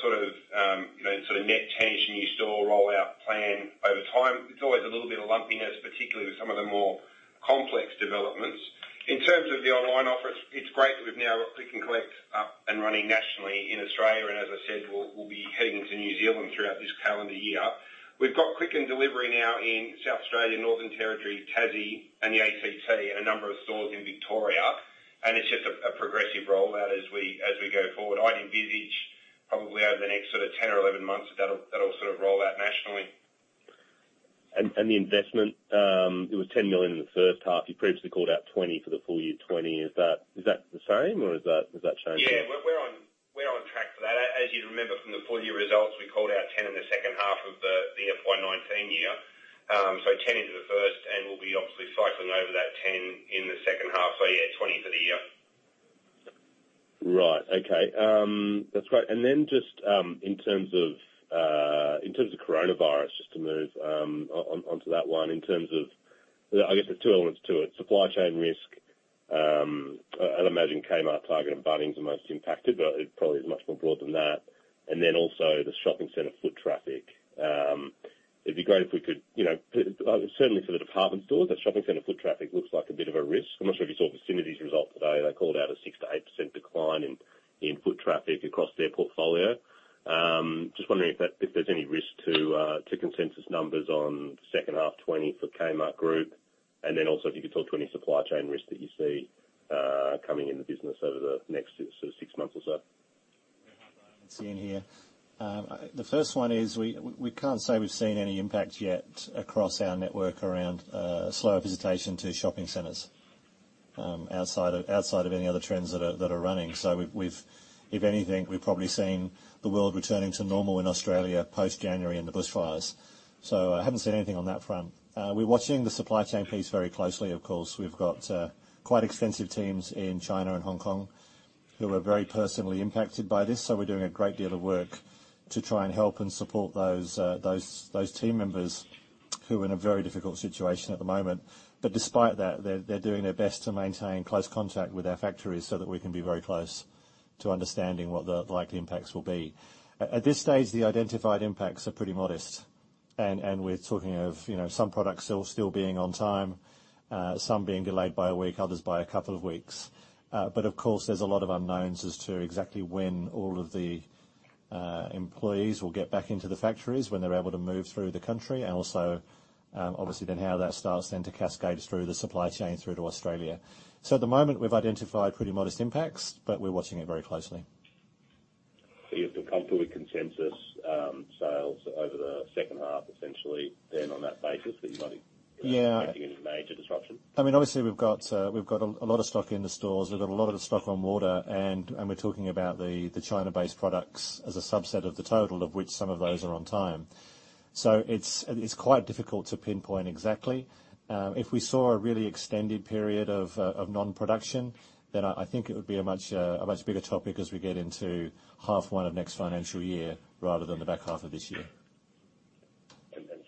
sort of net change to new store rollout plan over time. It's always a little bit of lumpiness, particularly with some of the more complex developments. In terms of the online offer, it's great that we've now got Click & Collect up and running nationally in Australia, and as I said, we'll be heading into New Zealand throughout this calendar year. We've got Click & Deliver now in South Australia, Northern Territory, Tassie, and the ACT, and a number of stores in Victoria, and it's just a progressive rollout as we go forward. I'd envisage probably over the next 10 or 11 months that that'll sort of rollout nationally. The investment, it was 10 million in the first half. You previously called out 20 million for the full year, 20. Is that the same, or has that changed? Yeah, we're on track for that. As you'd remember from the full year results, we called out 10 in the second half of the FY 2019 year. So 10 into the first, and we'll be obviously cycling over that 10 in the second half. Yeah, 20 for the year. Right. Okay. That's great. Just in terms of coronavirus, just to move onto that one, in terms of, I guess, there's two elements to it. Supply chain risk, I'd imagine Kmart, Target, and Bunnings are most impacted, but it probably is much more broad than that. Also, the shopping center foot traffic. It'd be great if we could, certainly for the department stores, that shopping center foot traffic looks like a bit of a risk. I'm not sure if you saw Vicinity's result today. They called out a 6-8% decline in foot traffic across their portfolio. Just wondering if there's any risk to consensus numbers on second half 2020 for Kmart Group, and also if you could talk to any supply chain risk that you see coming in the business over the next sort of six months or so. What I'm seeing here, the first one is we can't say we've seen any impact yet across our network around slower visitation to shopping centers outside of any other trends that are running. If anything, we've probably seen the world returning to normal in Australia post-January and the bushfires. I haven't seen anything on that front. We're watching the supply chain piece very closely, of course. We've got quite extensive teams in China and Hong Kong who are very personally impacted by this, so we're doing a great deal of work to try and help and support those team members who are in a very difficult situation at the moment. Despite that, they're doing their best to maintain close contact with our factories so that we can be very close to understanding what the likely impacts will be. At this stage, the identified impacts are pretty modest, and we're talking of some products still being on time, some being delayed by a week, others by a couple of weeks. Of course, there's a lot of unknowns as to exactly when all of the employees will get back into the factories, when they're able to move through the country, and also obviously then how that starts then to cascade through the supply chain through to Australia. At the moment, we've identified pretty modest impacts, but we're watching it very closely. You've come to a consensus sales over the second half, essentially, then on that basis that you might be expecting any major disruption? Yeah. I mean, obviously, we've got a lot of stock in the stores. We've got a lot of the stock on water, and we're talking about the China-based products as a subset of the total, of which some of those are on time. It is quite difficult to pinpoint exactly. If we saw a really extended period of non-production, then I think it would be a much bigger topic as we get into half one of next financial year rather than the back half of this year.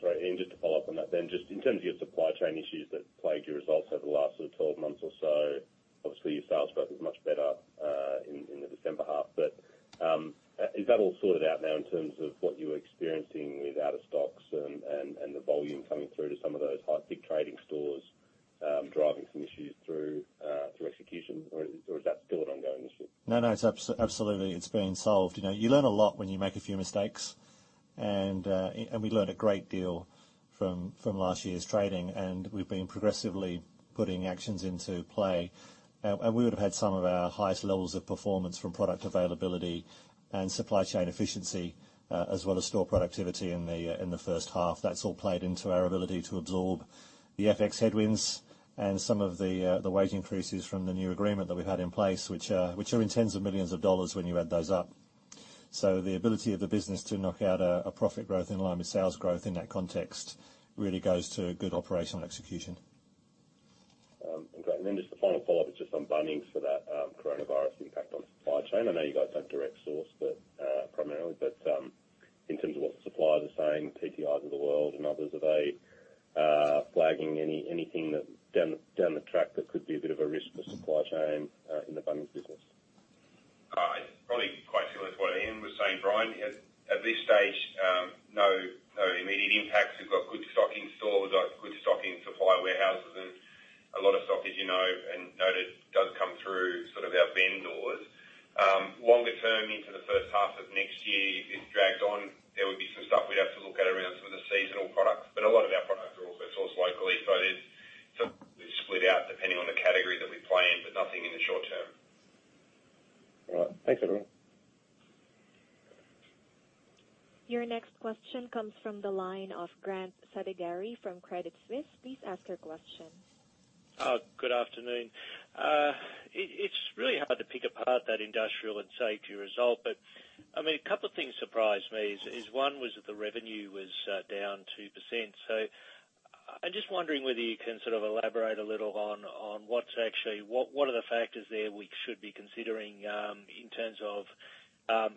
Sorry, Ian, just to follow up on that then, just in terms of your supply chain issues that plagued your results over the last sort of 12 months or so, obviously your sales growth is much better in the December half. Is that all sorted out now in terms of what you were experiencing with out-of-stocks and the volume coming through to some of those high-peak trading stores driving some issues through execution, or is that still an ongoing issue? No, no, absolutely. It's been solved. You learn a lot when you make a few mistakes, and we learned a great deal from last year's trading, and we've been progressively putting actions into play. We would have had some of our highest levels of performance from product availability and supply chain efficiency, as well as store productivity in the first half. That all played into our ability to absorb the FX headwinds and some of the wage increases from the new agreement that we've had in place, which are in tens of millions of dollars when you add those up. The ability of the business to knock out a profit growth in line with sales growth in that context really goes to good operational execution. Just the final follow-up is just on Bunnings for that coronavirus impact on supply chain. I know you guys do not direct source, primarily, but in terms of what the suppliers are saying TTI of the world and others, are they flagging anything down the track that could be a bit of a risk for supply chain in the Bunnings business? It's probably quite similar to what Ian was saying. Brian, at this stage, no immediate impacts. We've got good stock in stores, good stock in supply warehouses, and a lot of stock, as you know, and noted does come through sort of our vendors. Longer term into the first half of next year, if it's dragged on, there would be some stuff we'd have to look at around some of the seasonal products. A lot of our products are also sourced locally, so it's split out depending on the category that we play in, but nothing in the short term. All right. Thanks, everyone. Your next question comes from the line of Grant Saligari from Credit Suisse. Please ask your question. Good afternoon. It's really hard to pick apart that Industrial and Safety result, but I mean, a couple of things surprised me. One was that the revenue was down 2%. I'm just wondering whether you can sort of elaborate a little on what's actually what are the factors there we should be considering in terms of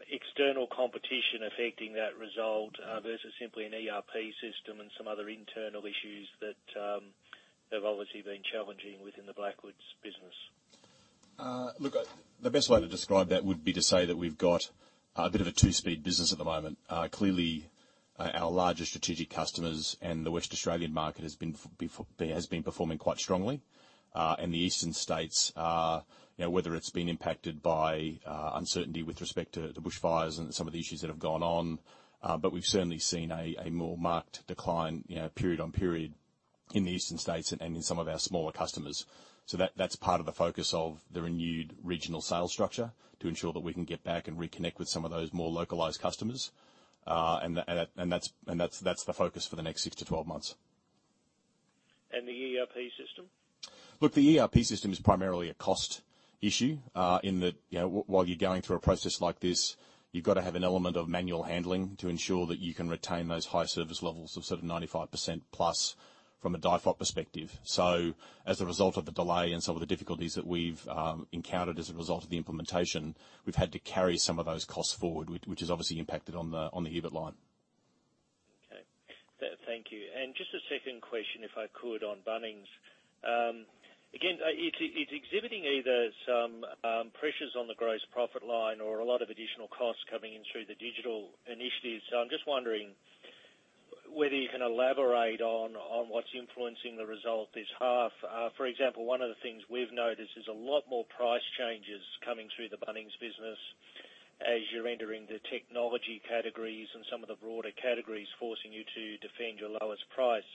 external competition affecting that result versus simply an ERP system and some other internal issues that have obviously been challenging within the Blackwoods business? Look, the best way to describe that would be to say that we've got a bit of a two-speed business at the moment. Clearly, our larger strategic customers and the Western Australian market has been performing quite strongly. The Eastern states, whether it's been impacted by uncertainty with respect to the bushfires and some of the issues that have gone on, we've certainly seen a more marked decline period on period in the Eastern states and in some of our smaller customers. That is part of the focus of the renewed regional sales structure to ensure that we can get back and reconnect with some of those more localized customers. That is the focus for the next 6-12 months. The ERP system? Look, the ERP system is primarily a cost issue in that while you're going through a process like this, you've got to have an element of manual handling to ensure that you can retain those high service levels of sort of 95% plus from a DIFOT perspective. As a result of the delay and some of the difficulties that we've encountered as a result of the implementation, we've had to carry some of those costs forward, which has obviously impacted on the EBIT line. Okay. Thank you. Just a second question, if I could, on Bunnings. Again, it's exhibiting either some pressures on the gross profit line or a lot of additional costs coming in through the digital initiatives. I'm just wondering whether you can elaborate on what's influencing the result this half. For example, one of the things we've noticed is a lot more price changes coming through the Bunnings business as you're entering the technology categories and some of the broader categories forcing you to defend your lowest price.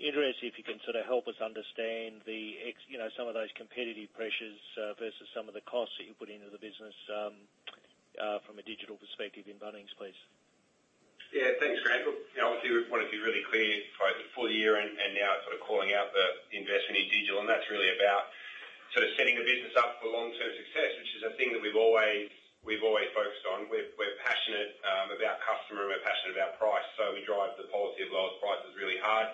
Interested if you can sort of help us understand some of those competitive pressures versus some of the costs that you put into the business from a digital perspective in Bunnings, please. Yeah, thanks, Grant. Look, obviously, we wanted to be really clear for the full year and now sort of calling out the investment in digital. That's really about sort of setting the business up for long-term success, which is a thing that we've always focused on. We're passionate about customer and we're passionate about price, so we drive the policy of lowest prices really hard.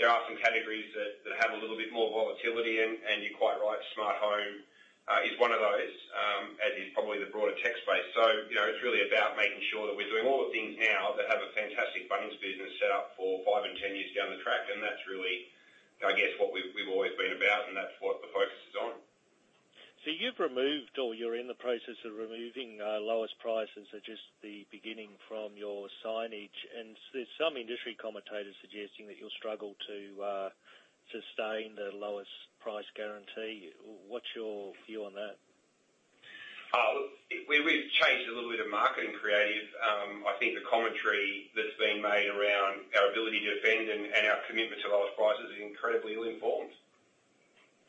There are some categories that have a little bit more volatility, and you're quite right. Smart home is one of those, as is probably the broader tech space. It's really about making sure that we're doing all the things now that have a fantastic Bunnings business set up for 5 and 10 years down the track, and that's really, I guess, what we've always been about, and that's what the focus is on. You have removed or you are in the process of removing "Lowest prices are just the beginning" from your signage. There are some industry commentators suggesting that you will struggle to sustain the lowest price guarantee. What is your view on that? Look, we've changed a little bit of marketing creative. I think the commentary that's being made around our ability to defend and our commitment to lowest prices is incredibly ill-informed.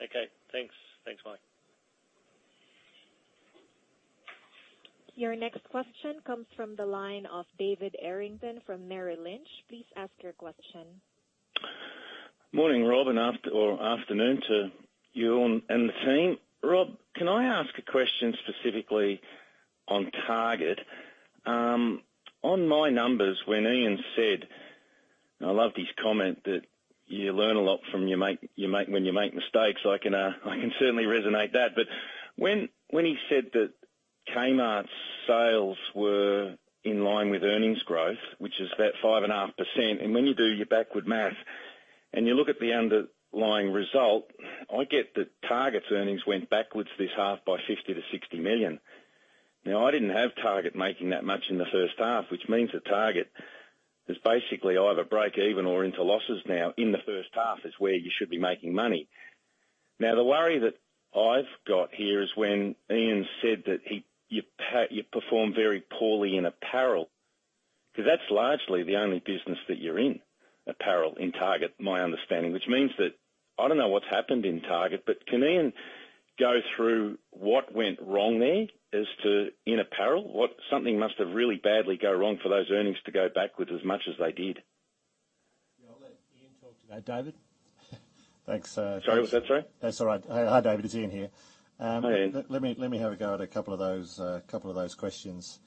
Okay. Thanks. Thanks, Mike. Your next question comes from the line of David Errington from Merrill Lynch. Please ask your question. Morning, Rob, and afternoon to you and the team. Rob, can I ask a question specifically on Target? On my numbers, when Ian said, and I love this comment, that you learn a lot from when you make mistakes, I can certainly resonate with that. When he said that Kmart's sales were in line with earnings growth, which is that 5.5%, and when you do your backward math and you look at the underlying result, I get that Target's earnings went backwards this half by 50-60 million. Now, I did not have Target making that much in the first half, which means that Target is basically either break even or into losses now in the first half, which is where you should be making money. Now, the worry that I've got here is when Ian said that you perform very poorly in apparel, because that's largely the only business that you're in, apparel in Target, my understanding, which means that I don't know what's happened in Target, but can Ian go through what went wrong there as to in apparel? Something must have really badly gone wrong for those earnings to go backwards as much as they did. Yeah, I'll let Ian talk to that. David? Thanks. Sorry, what's that? Sorry? That's all right. Hi, David. It's Ian here. Hey, Ian. Let me have a go at a couple of those questions.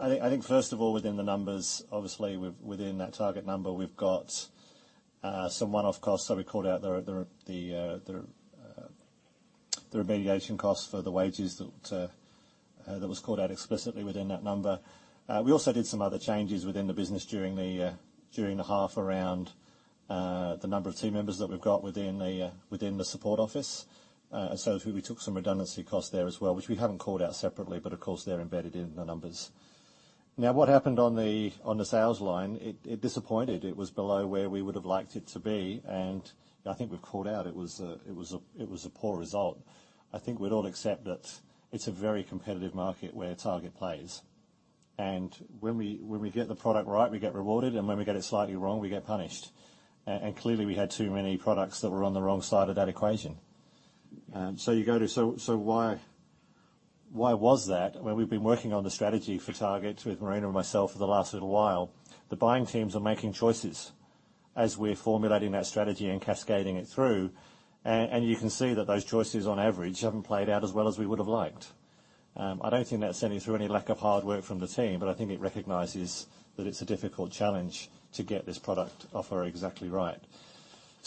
I think, first of all, within the numbers, obviously, within that Target number, we've got some one-off costs that we called out, the remediation costs for the wages that was called out explicitly within that number. We also did some other changes within the business during the half around the number of team members that we've got within the support office. We took some redundancy costs there as well, which we haven't called out separately, but of course, they're embedded in the numbers. Now, what happened on the sales line? It disappointed. It was below where we would have liked it to be, and I think we've called out it was a poor result. I think we'd all accept that it's a very competitive market where Target plays. When we get the product right, we get rewarded, and when we get it slightly wrong, we get punished. Clearly, we had too many products that were on the wrong side of that equation. You go to, so why was that? We've been working on the strategy for Target with Marina and myself for the last little while. The buying teams are making choices as we're formulating that strategy and cascading it through, and you can see that those choices, on average, haven't played out as well as we would have liked. I don't think that's sending through any lack of hard work from the team, but I think it recognizes that it's a difficult challenge to get this product offer exactly right.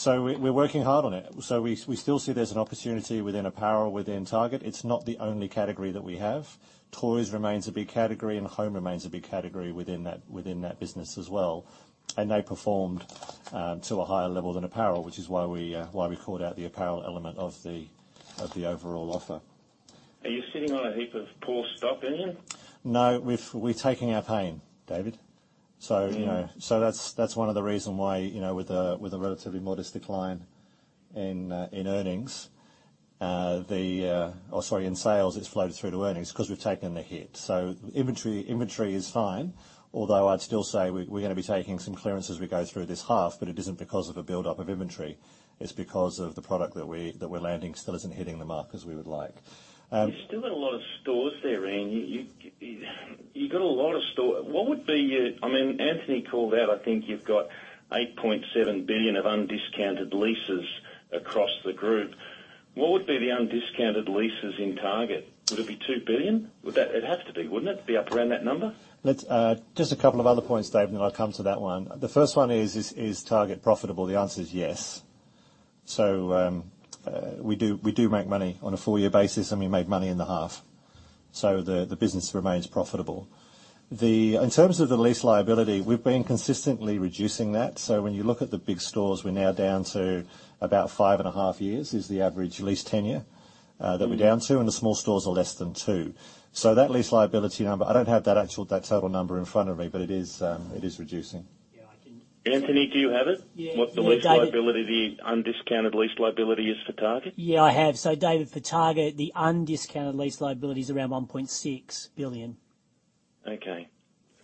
We're working hard on it. We still see there's an opportunity within apparel within Target. It's not the only category that we have. Toys remains a big category, and home remains a big category within that business as well. They performed to a higher level than apparel, which is why we called out the apparel element of the overall offer. Are you sitting on a heap of poor stock, Ian? No, we're taking our pain, David. That is one of the reasons why, with a relatively modest decline in sales, it has floated through to earnings because we've taken the hit. Inventory is fine, although I'd still say we're going to be taking some clearances as we go through this half, but it is not because of a build-up of inventory. It is because the product that we're landing still is not hitting the mark as we would like. You're still in a lot of stores there, Ian. You've got a lot of stores. What would be your—I mean, Anthony called out, I think you've got 8.7 billion of undiscounted leases across the group. What would be the undiscounted leases in Target? Would it be 2 billion? It'd have to be, wouldn't it? It'd be up around that number? Just a couple of other points, David, and I'll come to that one. The first one is, is Target profitable? The answer is yes. We do make money on a full-year basis, and we made money in the half. The business remains profitable. In terms of the lease liability, we've been consistently reducing that. When you look at the big stores, we're now down to about 5.5 years is the average lease tenure that we're down to, and the small stores are less than 2. That lease liability number, I don't have that actual total number in front of me, but it is reducing. Yeah, I can. Anthony, do you have it? Yeah. What the lease liability, the undiscounted lease liability is for Target? Yeah, I have. David, for Target, the undiscounted lease liability is around 1.6 billion. Okay.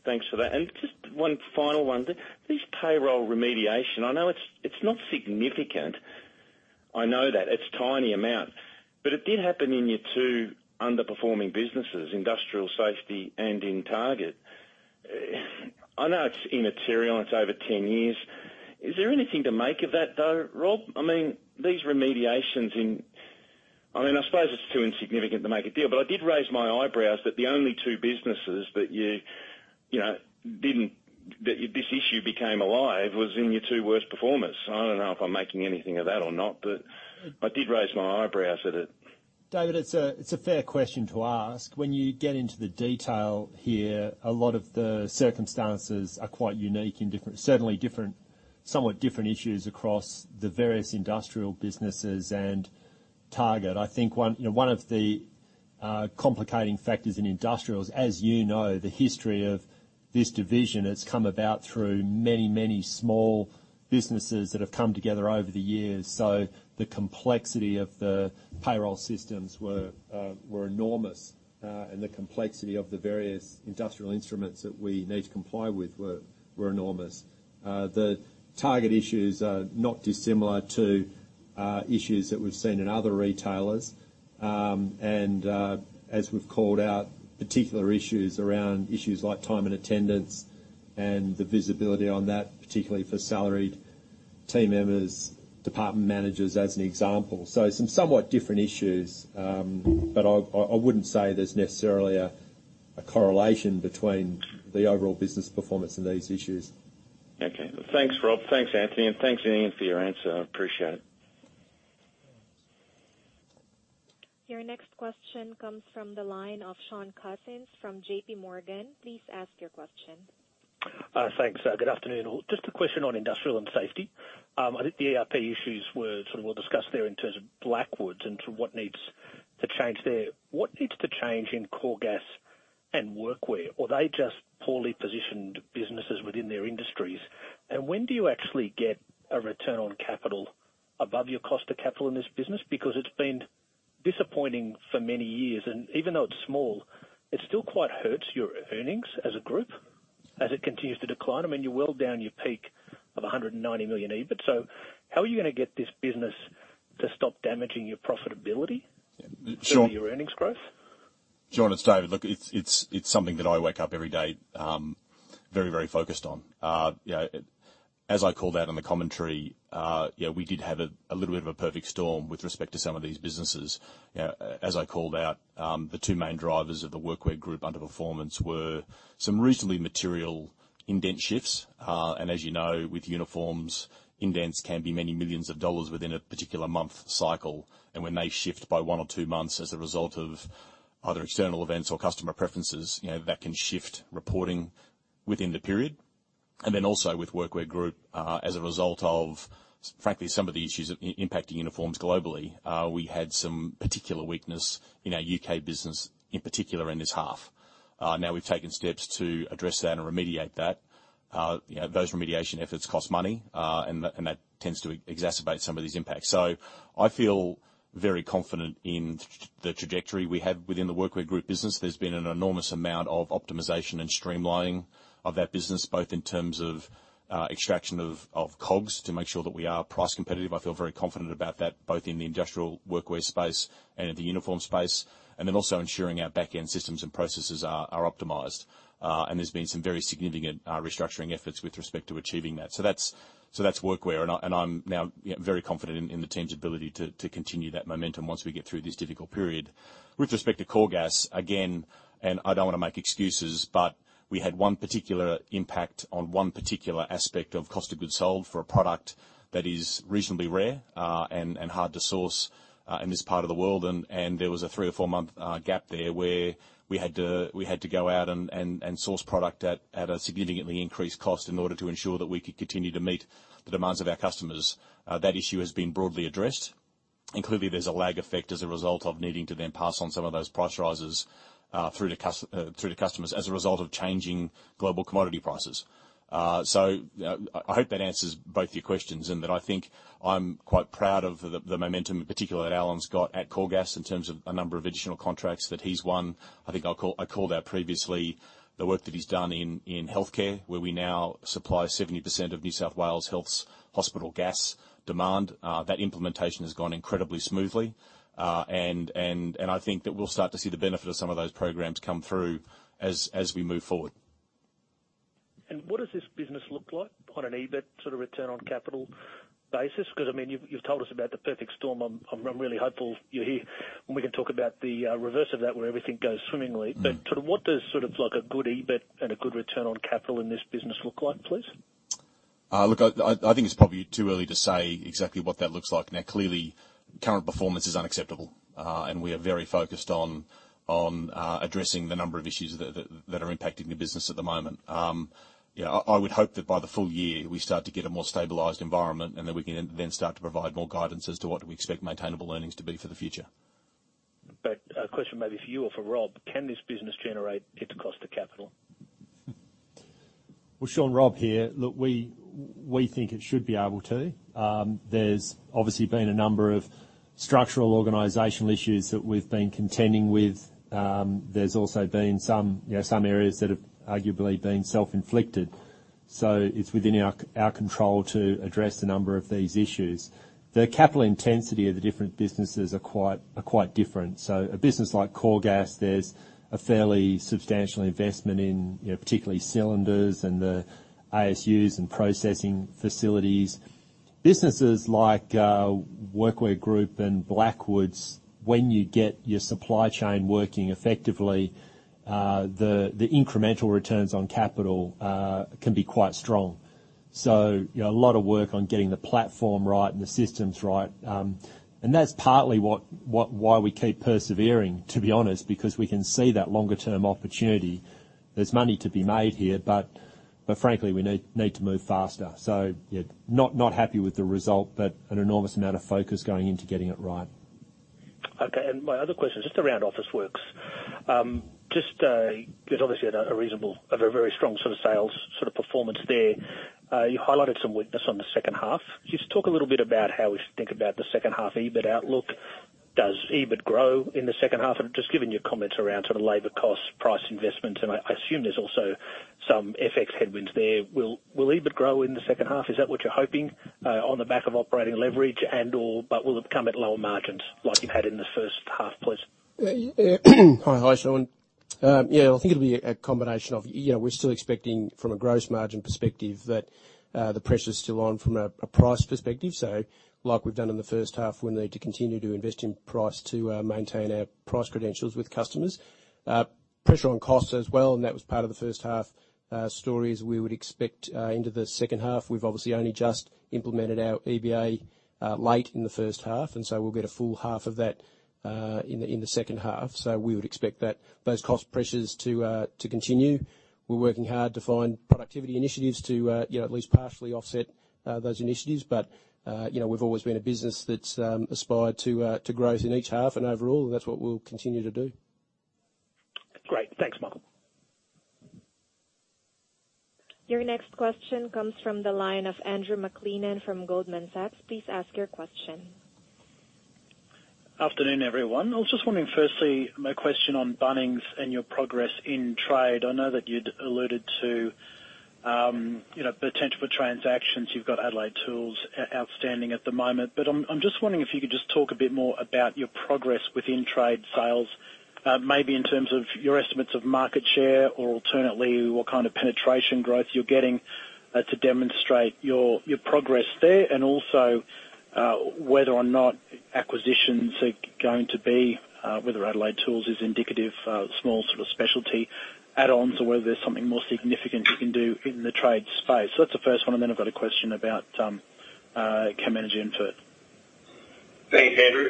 Thanks for that. Just one final one. This payroll remediation, I know it's not significant. I know that. It's a tiny amount. It did happen in your two underperforming businesses, Industrial Safety and in Target. I know it's immaterial. It's over 10 years. Is there anything to make of that, though, Rob? I mean, these remediations in—I mean, I suppose it's too insignificant to make a deal, but I did raise my eyebrows that the only two businesses that you didn't—that this issue became alive was in your two worst performers. I don't know if I'm making anything of that or not, but I did raise my eyebrows at it. David, it's a fair question to ask. When you get into the detail here, a lot of the circumstances are quite unique and certainly somewhat different issues across the various industrial businesses and Target. I think one of the complicating factors in industrials, as you know, the history of this division, it's come about through many, many small businesses that have come together over the years. So the complexity of the payroll systems were enormous, and the complexity of the various industrial instruments that we need to comply with were enormous. The Target issues are not dissimilar to issues that we've seen in other retailers. As we've called out, particular issues around issues like time and attendance and the visibility on that, particularly for salaried team members, department managers as an example. Some somewhat different issues, but I wouldn't say there's necessarily a correlation between the overall business performance and these issues. Okay. Thanks, Rob. Thanks, Anthony. Thanks, Ian, for your answer. I appreciate it. Your next question comes from the line of Shaun Cousins from JPMorgan. Please ask your question. Thanks. Good afternoon. Just a question on Industrial and Safety. I think the ERP issues were sort of well discussed there in terms of Blackwoods and sort of what needs to change there. What needs to change in Coregas and Workwear? Are they just poorly positioned businesses within their industries? When do you actually get a return on capital above your cost of capital in this business? Because it's been disappointing for many years. Even though it's small, it still quite hurts your earnings as a group as it continues to decline. I mean, you're well down your peak of 190 million EBIT. How are you going to get this business to stop damaging your profitability and your earnings growth? Shaun, it's David. Look, it's something that I wake up every day very, very focused on. As I called out in the commentary, we did have a little bit of a perfect storm with respect to some of these businesses. As I called out, the two main drivers of the Workwear Group underperformance were some reasonably material indent shifts. And as you know, with uniforms, indents can be many millions of dollars within a particular month cycle. And when they shift by one or two months as a result of either external events or customer preferences, that can shift reporting within the period. And then also with Workwear Group, as a result of, frankly, some of the issues impacting uniforms globally, we had some particular weakness in our U.K. business, in particular in this half. Now, we've taken steps to address that and remediate that. Those remediation efforts cost money, and that tends to exacerbate some of these impacts. I feel very confident in the trajectory we have within the Workwear Group business. There's been an enormous amount of optimization and streamlining of that business, both in terms of extraction of COGS to make sure that we are price competitive. I feel very confident about that, both in the industrial workwear space and in the uniform space, and then also ensuring our backend systems and processes are optimized. There's been some very significant restructuring efforts with respect to achieving that. That's Workwear. I am now very confident in the team's ability to continue that momentum once we get through this difficult period. With respect to Coregas, again, I don't want to make excuses, but we had one particular impact on one particular aspect of cost of goods sold for a product that is reasonably rare and hard to source in this part of the world. There was a three or four-month gap there where we had to go out and source product at a significantly increased cost in order to ensure that we could continue to meet the demands of our customers. That issue has been broadly addressed. Clearly, there's a lag effect as a result of needing to then pass on some of those price rises through to customers as a result of changing global commodity prices. I hope that answers both your questions and that I think I'm quite proud of the momentum, in particular, that Alan's got at Coregas in terms of a number of additional contracts that he's won. I think I called out previously the work that he's done in healthcare, where we now supply 70% of New South Wales Health's hospital gas demand. That implementation has gone incredibly smoothly. I think that we'll start to see the benefit of some of those programs come through as we move forward. What does this business look like on an EBIT sort of return on capital basis? Because, I mean, you've told us about the perfect storm. I'm really hopeful you're here and we can talk about the reverse of that where everything goes swimmingly. But sort of what does sort of like a good EBIT and a good return on capital in this business look like, please? Look, I think it's probably too early to say exactly what that looks like. Now, clearly, current performance is unacceptable, and we are very focused on addressing the number of issues that are impacting the business at the moment. Yeah, I would hope that by the full year, we start to get a more stabilized environment and that we can then start to provide more guidance as to what we expect maintainable earnings to be for the future. A question maybe for you or for Rob. Can this business generate its cost of capital? Rob here. Look, we think it should be able to. There's obviously been a number of structural organizational issues that we've been contending with. There's also been some areas that have arguably been self-inflicted. It's within our control to address a number of these issues. The capital intensity of the different businesses are quite different. A business like Coregas, there's a fairly substantial investment in particularly cylinders and the ASUs and processing facilities. Businesses like Workwear Group and Blackwoods, when you get your supply chain working effectively, the incremental returns on capital can be quite strong. A lot of work on getting the platform right and the systems right. That's partly why we keep persevering, to be honest, because we can see that longer-term opportunity. There's money to be made here, but frankly, we need to move faster. Not happy with the result, but an enormous amount of focus going into getting it right. Okay. My other question is just around Officeworks. Just because obviously you had a very strong sort of sales sort of performance there, you highlighted some weakness on the second half. Just talk a little bit about how we think about the second half EBIT outlook. Does EBIT grow in the second half? Just given your comments around sort of labor costs, price investments, and I assume there's also some FX headwinds there. Will EBIT grow in the second half? Is that what you're hoping on the back of operating leverage and/or will it come at lower margins like you've had in the first half, please? Hi, Shaun. Yeah, I think it'll be a combination of we're still expecting from a gross margin perspective that the pressure's still on from a price perspective. Like we've done in the first half, we need to continue to invest in price to maintain our price credentials with customers. Pressure on costs as well, and that was part of the first half story as we would expect into the second half. We've obviously only just implemented our EBA late in the first half, and we'll get a full half of that in the second half. We would expect those cost pressures to continue. We're working hard to find productivity initiatives to at least partially offset those initiatives. We've always been a business that's aspired to growth in each half, and overall, that's what we'll continue to do. Great. Thanks, Michael. Your next question comes from the line of Andrew McLennan from Goldman Sachs. Please ask your question. Afternoon, everyone. I was just wanting to firstly make a question on Bunnings and your progress in trade. I know that you'd alluded to potential for transactions. You've got Adelaide Tools outstanding at the moment. I am just wondering if you could just talk a bit more about your progress within trade sales, maybe in terms of your estimates of market share or alternately what kind of penetration growth you're getting to demonstrate your progress there and also whether or not acquisitions are going to be, whether Adelaide Tools is indicative of small sort of specialty add-ons or whether there's something more significant you can do in the trade space. That is the first one. I have a question about chem, energy, and fert. Thanks, Andrew.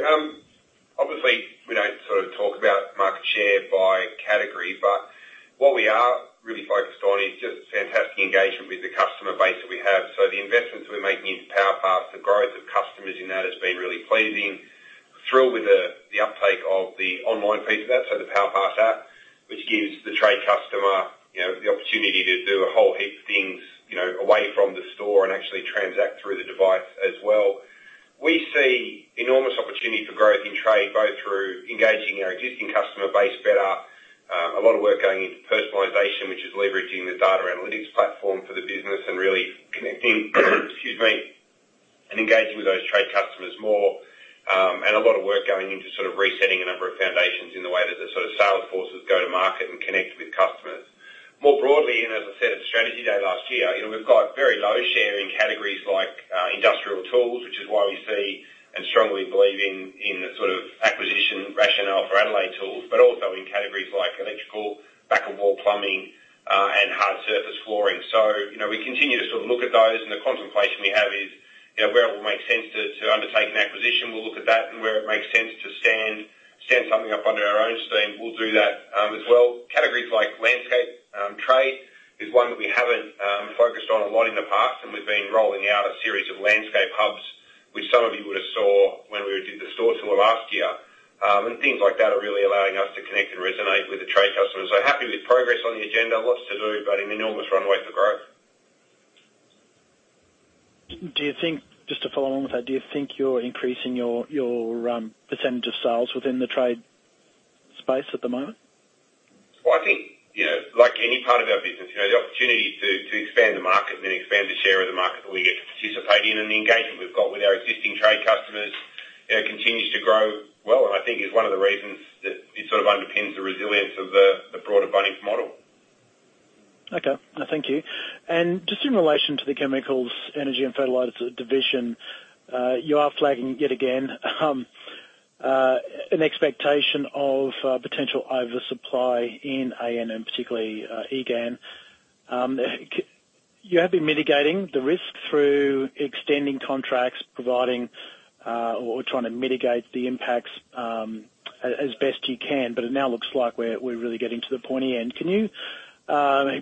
Obviously, we don't sort of talk about market share by category, but what we are really focused on is just fantastic engagement with the customer base that we have. The investments we're making into PowerPass, the growth of customers in that has been really pleasing. Thrilled with the uptake of the online piece of that, so the PowerPass app, which gives the trade customer the opportunity to do a whole heap of things away from the store and actually transact through the device as well. We see enormous opportunity for growth in trade both through engaging our existing customer base better, a lot of work going into personalization, which is leveraging the data analytics platform for the business and really connecting and engaging with those trade customers more, and a lot of work going into sort of resetting a number of foundations in the way that the sort of sales forces go to market and connect with customers. More broadly, and as I said at Strategy Day last year, we have very low share in categories like industrial tools, which is why we see and strongly believe in the sort of acquisition rationale for Adelaide Tools, but also in categories like electrical, back-of-wall plumbing, and hard surface flooring. We continue to sort of look at those, and the contemplation we have is where it will make sense to undertake an acquisition, we'll look at that, and where it makes sense to stand something up under our own steam, we'll do that as well. Categories like landscape trade is one that we haven't focused on a lot in the past, and we've been rolling out a series of landscape hubs, which some of you would have seen when we did the store tour last year. Things like that are really allowing us to connect and resonate with the trade customers. Happy with progress on the agenda, lots to do, but an enormous runway for growth. Do you think, just to follow on with that, do you think you're increasing your percentage of sales within the trade space at the moment? I think like any part of our business, the opportunity to expand the market and then expand the share of the market that we get to participate in and the engagement we've got with our existing trade customers continues to grow well, and I think is one of the reasons that it sort of underpins the resilience of the broader Bunnings model. Okay. Thank you. Just in relation to the Chemicals, Energy and Fertilisers division, you are flagging yet again an expectation of potential oversupply in AN, and particularly EGAN. You have been mitigating the risk through extending contracts, providing or trying to mitigate the impacts as best you can, but it now looks like we're really getting to the pointy end. Can you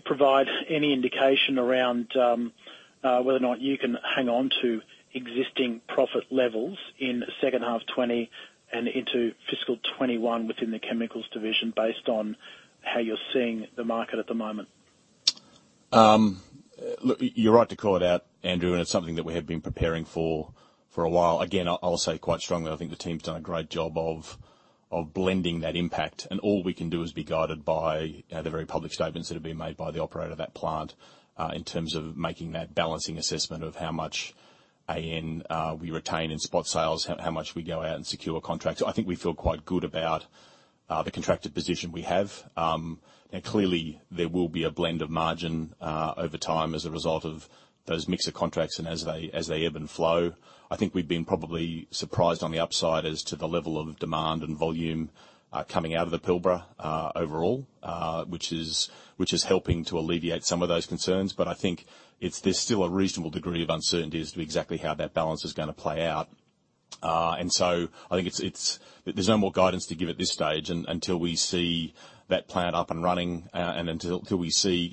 provide any indication around whether or not you can hang on to existing profit levels in second half 2020 and into fiscal 2021 within the chemicals division based on how you're seeing the market at the moment? Look, you're right to call it out, Andrew, and it's something that we have been preparing for a while. Again, I'll say quite strongly I think the team's done a great job of blending that impact, and all we can do is be guided by the very public statements that have been made by the operator of that plant in terms of making that balancing assessment of how much AN we retain in spot sales, how much we go out and secure contracts. I think we feel quite good about the contractor position we have. Now, clearly, there will be a blend of margin over time as a result of those mixer contracts and as they ebb and flow. I think we've been probably surprised on the upside as to the level of demand and volume coming out of the Pilbara overall, which is helping to alleviate some of those concerns. I think there's still a reasonable degree of uncertainty as to exactly how that balance is going to play out. I think there's no more guidance to give at this stage until we see that plant up and running and until we see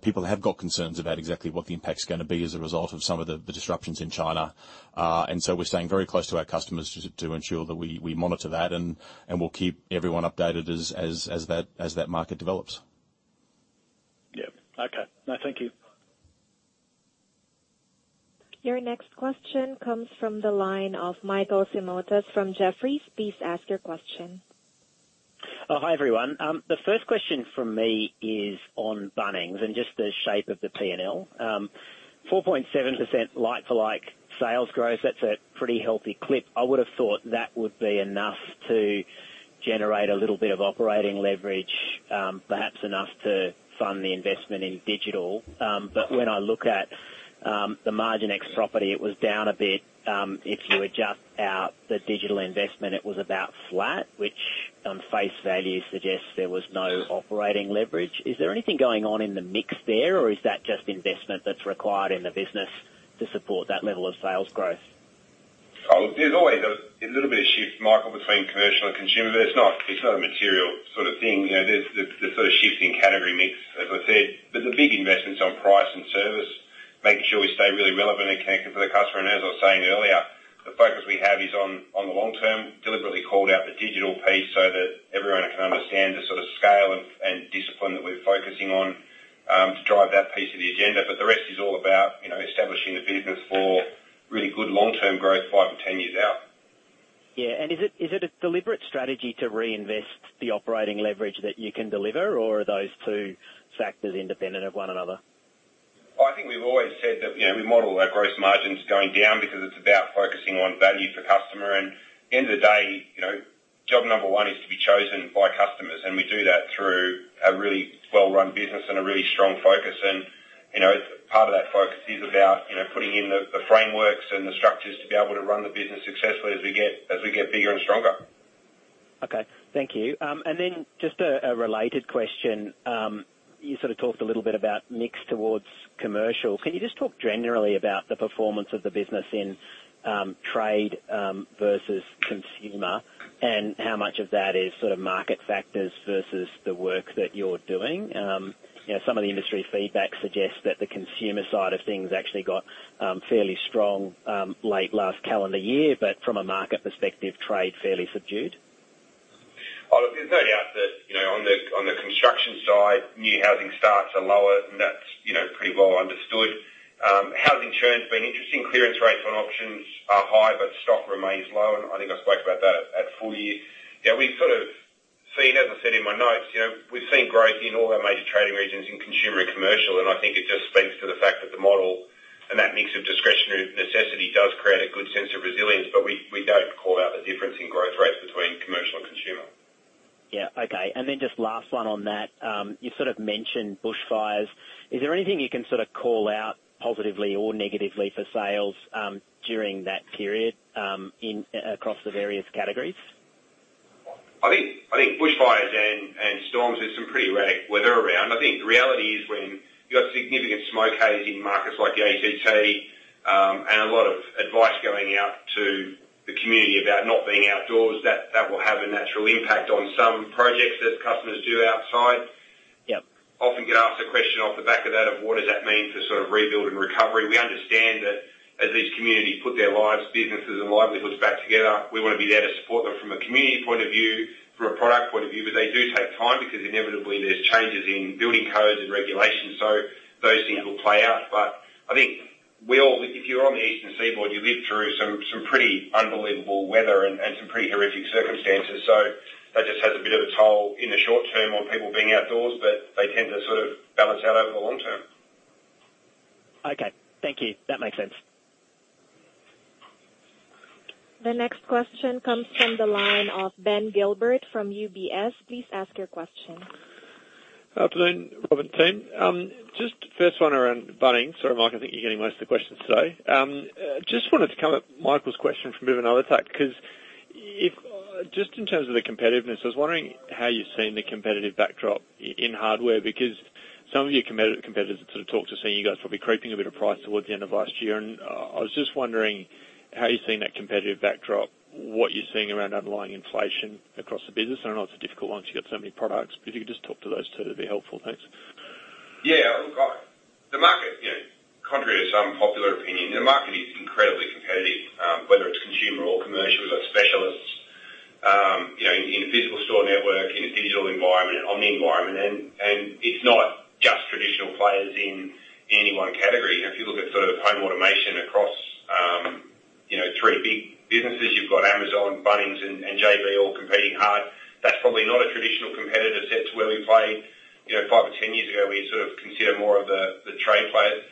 people have got concerns about exactly what the impact's going to be as a result of some of the disruptions in China. We are staying very close to our customers to ensure that we monitor that, and we'll keep everyone updated as that market develops. Yeah. Okay. No, thank you. Your next question comes from the line of Michael Simotas from Jefferies. Please ask your question. Hi, everyone. The first question from me is on Bunnings and just the shape of the P&L. 4.7% like-for-like sales growth, that's a pretty healthy clip. I would have thought that would be enough to generate a little bit of operating leverage, perhaps enough to fund the investment in digital. When I look at the margin ex-property, it was down a bit. If you adjust out the digital investment, it was about flat, which on face value suggests there was no operating leverage. Is there anything going on in the mix there, or is that just investment that's required in the business to support that level of sales growth? There's always a little bit of shift, Michael, between commercial and consumer. It's not a material sort of thing. There's the sort of shift in category mix, as I said. The big investments on price and service, making sure we stay really relevant and connected for the customer. As I was saying earlier, the focus we have is on the long term. Deliberately called out the digital piece so that everyone can understand the sort of scale and discipline that we're focusing on to drive that piece of the agenda. The rest is all about establishing the business for really good long-term growth 5 to 10 years out. Yeah. Is it a deliberate strategy to reinvest the operating leverage that you can deliver, or are those two factors independent of one another? I think we've always said that we model our gross margins going down because it's about focusing on value for customer. At the end of the day, job number one is to be chosen by customers. We do that through a really well-run business and a really strong focus. Part of that focus is about putting in the frameworks and the structures to be able to run the business successfully as we get bigger and stronger. Okay. Thank you. Just a related question. You sort of talked a little bit about mix towards commercial. Can you just talk generally about the performance of the business in trade versus consumer and how much of that is sort of market factors versus the work that you're doing? Some of the industry feedback suggests that the consumer side of things actually got fairly strong late last calendar year, but from a market perspective, trade fairly subdued. There's no doubt that on the construction side, new housing starts are lower, and that's pretty well understood. Housing issuance has been interesting. Clearance rates on auctions are high, but stock remains low. I think I spoke about that at full year. Yeah, we've sort of seen, as I said in my notes, we've seen growth in all our major trading regions in consumer and commercial. I think it just speaks to the fact that the model and that mix of discretionary necessity does create a good sense of resilience, but we don't call out the difference in growth rates between commercial and consumer. Yeah. Okay. And then just last one on that. You sort of mentioned bushfires. Is there anything you can sort of call out positively or negatively for sales during that period across the various categories? I think bushfires and storms are some pretty radic weather around. I think the reality is when you've got significant smoke haze in markets like the ACT and a lot of advice going out to the community about not being outdoors, that will have a natural impact on some projects as customers do outside. Often get asked a question off the back of that of what does that mean for sort of rebuild and recovery. We understand that as these communities put their lives, businesses, and livelihoods back together, we want to be there to support them from a community point of view, from a product point of view. They do take time because inevitably there's changes in building codes and regulations. Those things will play out. I think if you're on the Eastern Seaboard, you live through some pretty unbelievable weather and some pretty horrific circumstances. That just has a bit of a toll in the short term on people being outdoors, but they tend to sort of balance out over the long term. Okay. Thank you. That makes sense. The next question comes from the line of Ben Gilbert from UBS. Please ask your question. Afternoon, Rob and team. Just first one around Bunnings. Sorry, Mike. I think you're getting most of the questions today. Just wanted to come at Michael's question from maybe another tack because just in terms of the competitiveness, I was wondering how you've seen the competitive backdrop in hardware because some of your competitors that sort of talked to us saying you guys were probably creeping a bit of price towards the end of last year. I was just wondering how you've seen that competitive backdrop, what you're seeing around underlying inflation across the business. I know it's a difficult one because you've got so many products. If you could just talk to those two that'd be helpful. Thanks. Yeah. Look, the market, contrary to some popular opinion, the market is incredibly competitive, whether it's consumer or commercial. We've got specialists in a physical store network, in a digital environment, omni environment. It's not just traditional players in any one category. If you look at sort of home automation across three big businesses, you've got Amazon, Bunnings, and JB all competing hard. That's probably not a traditional competitor set to where we played five or ten years ago. We sort of consider more of the trade players.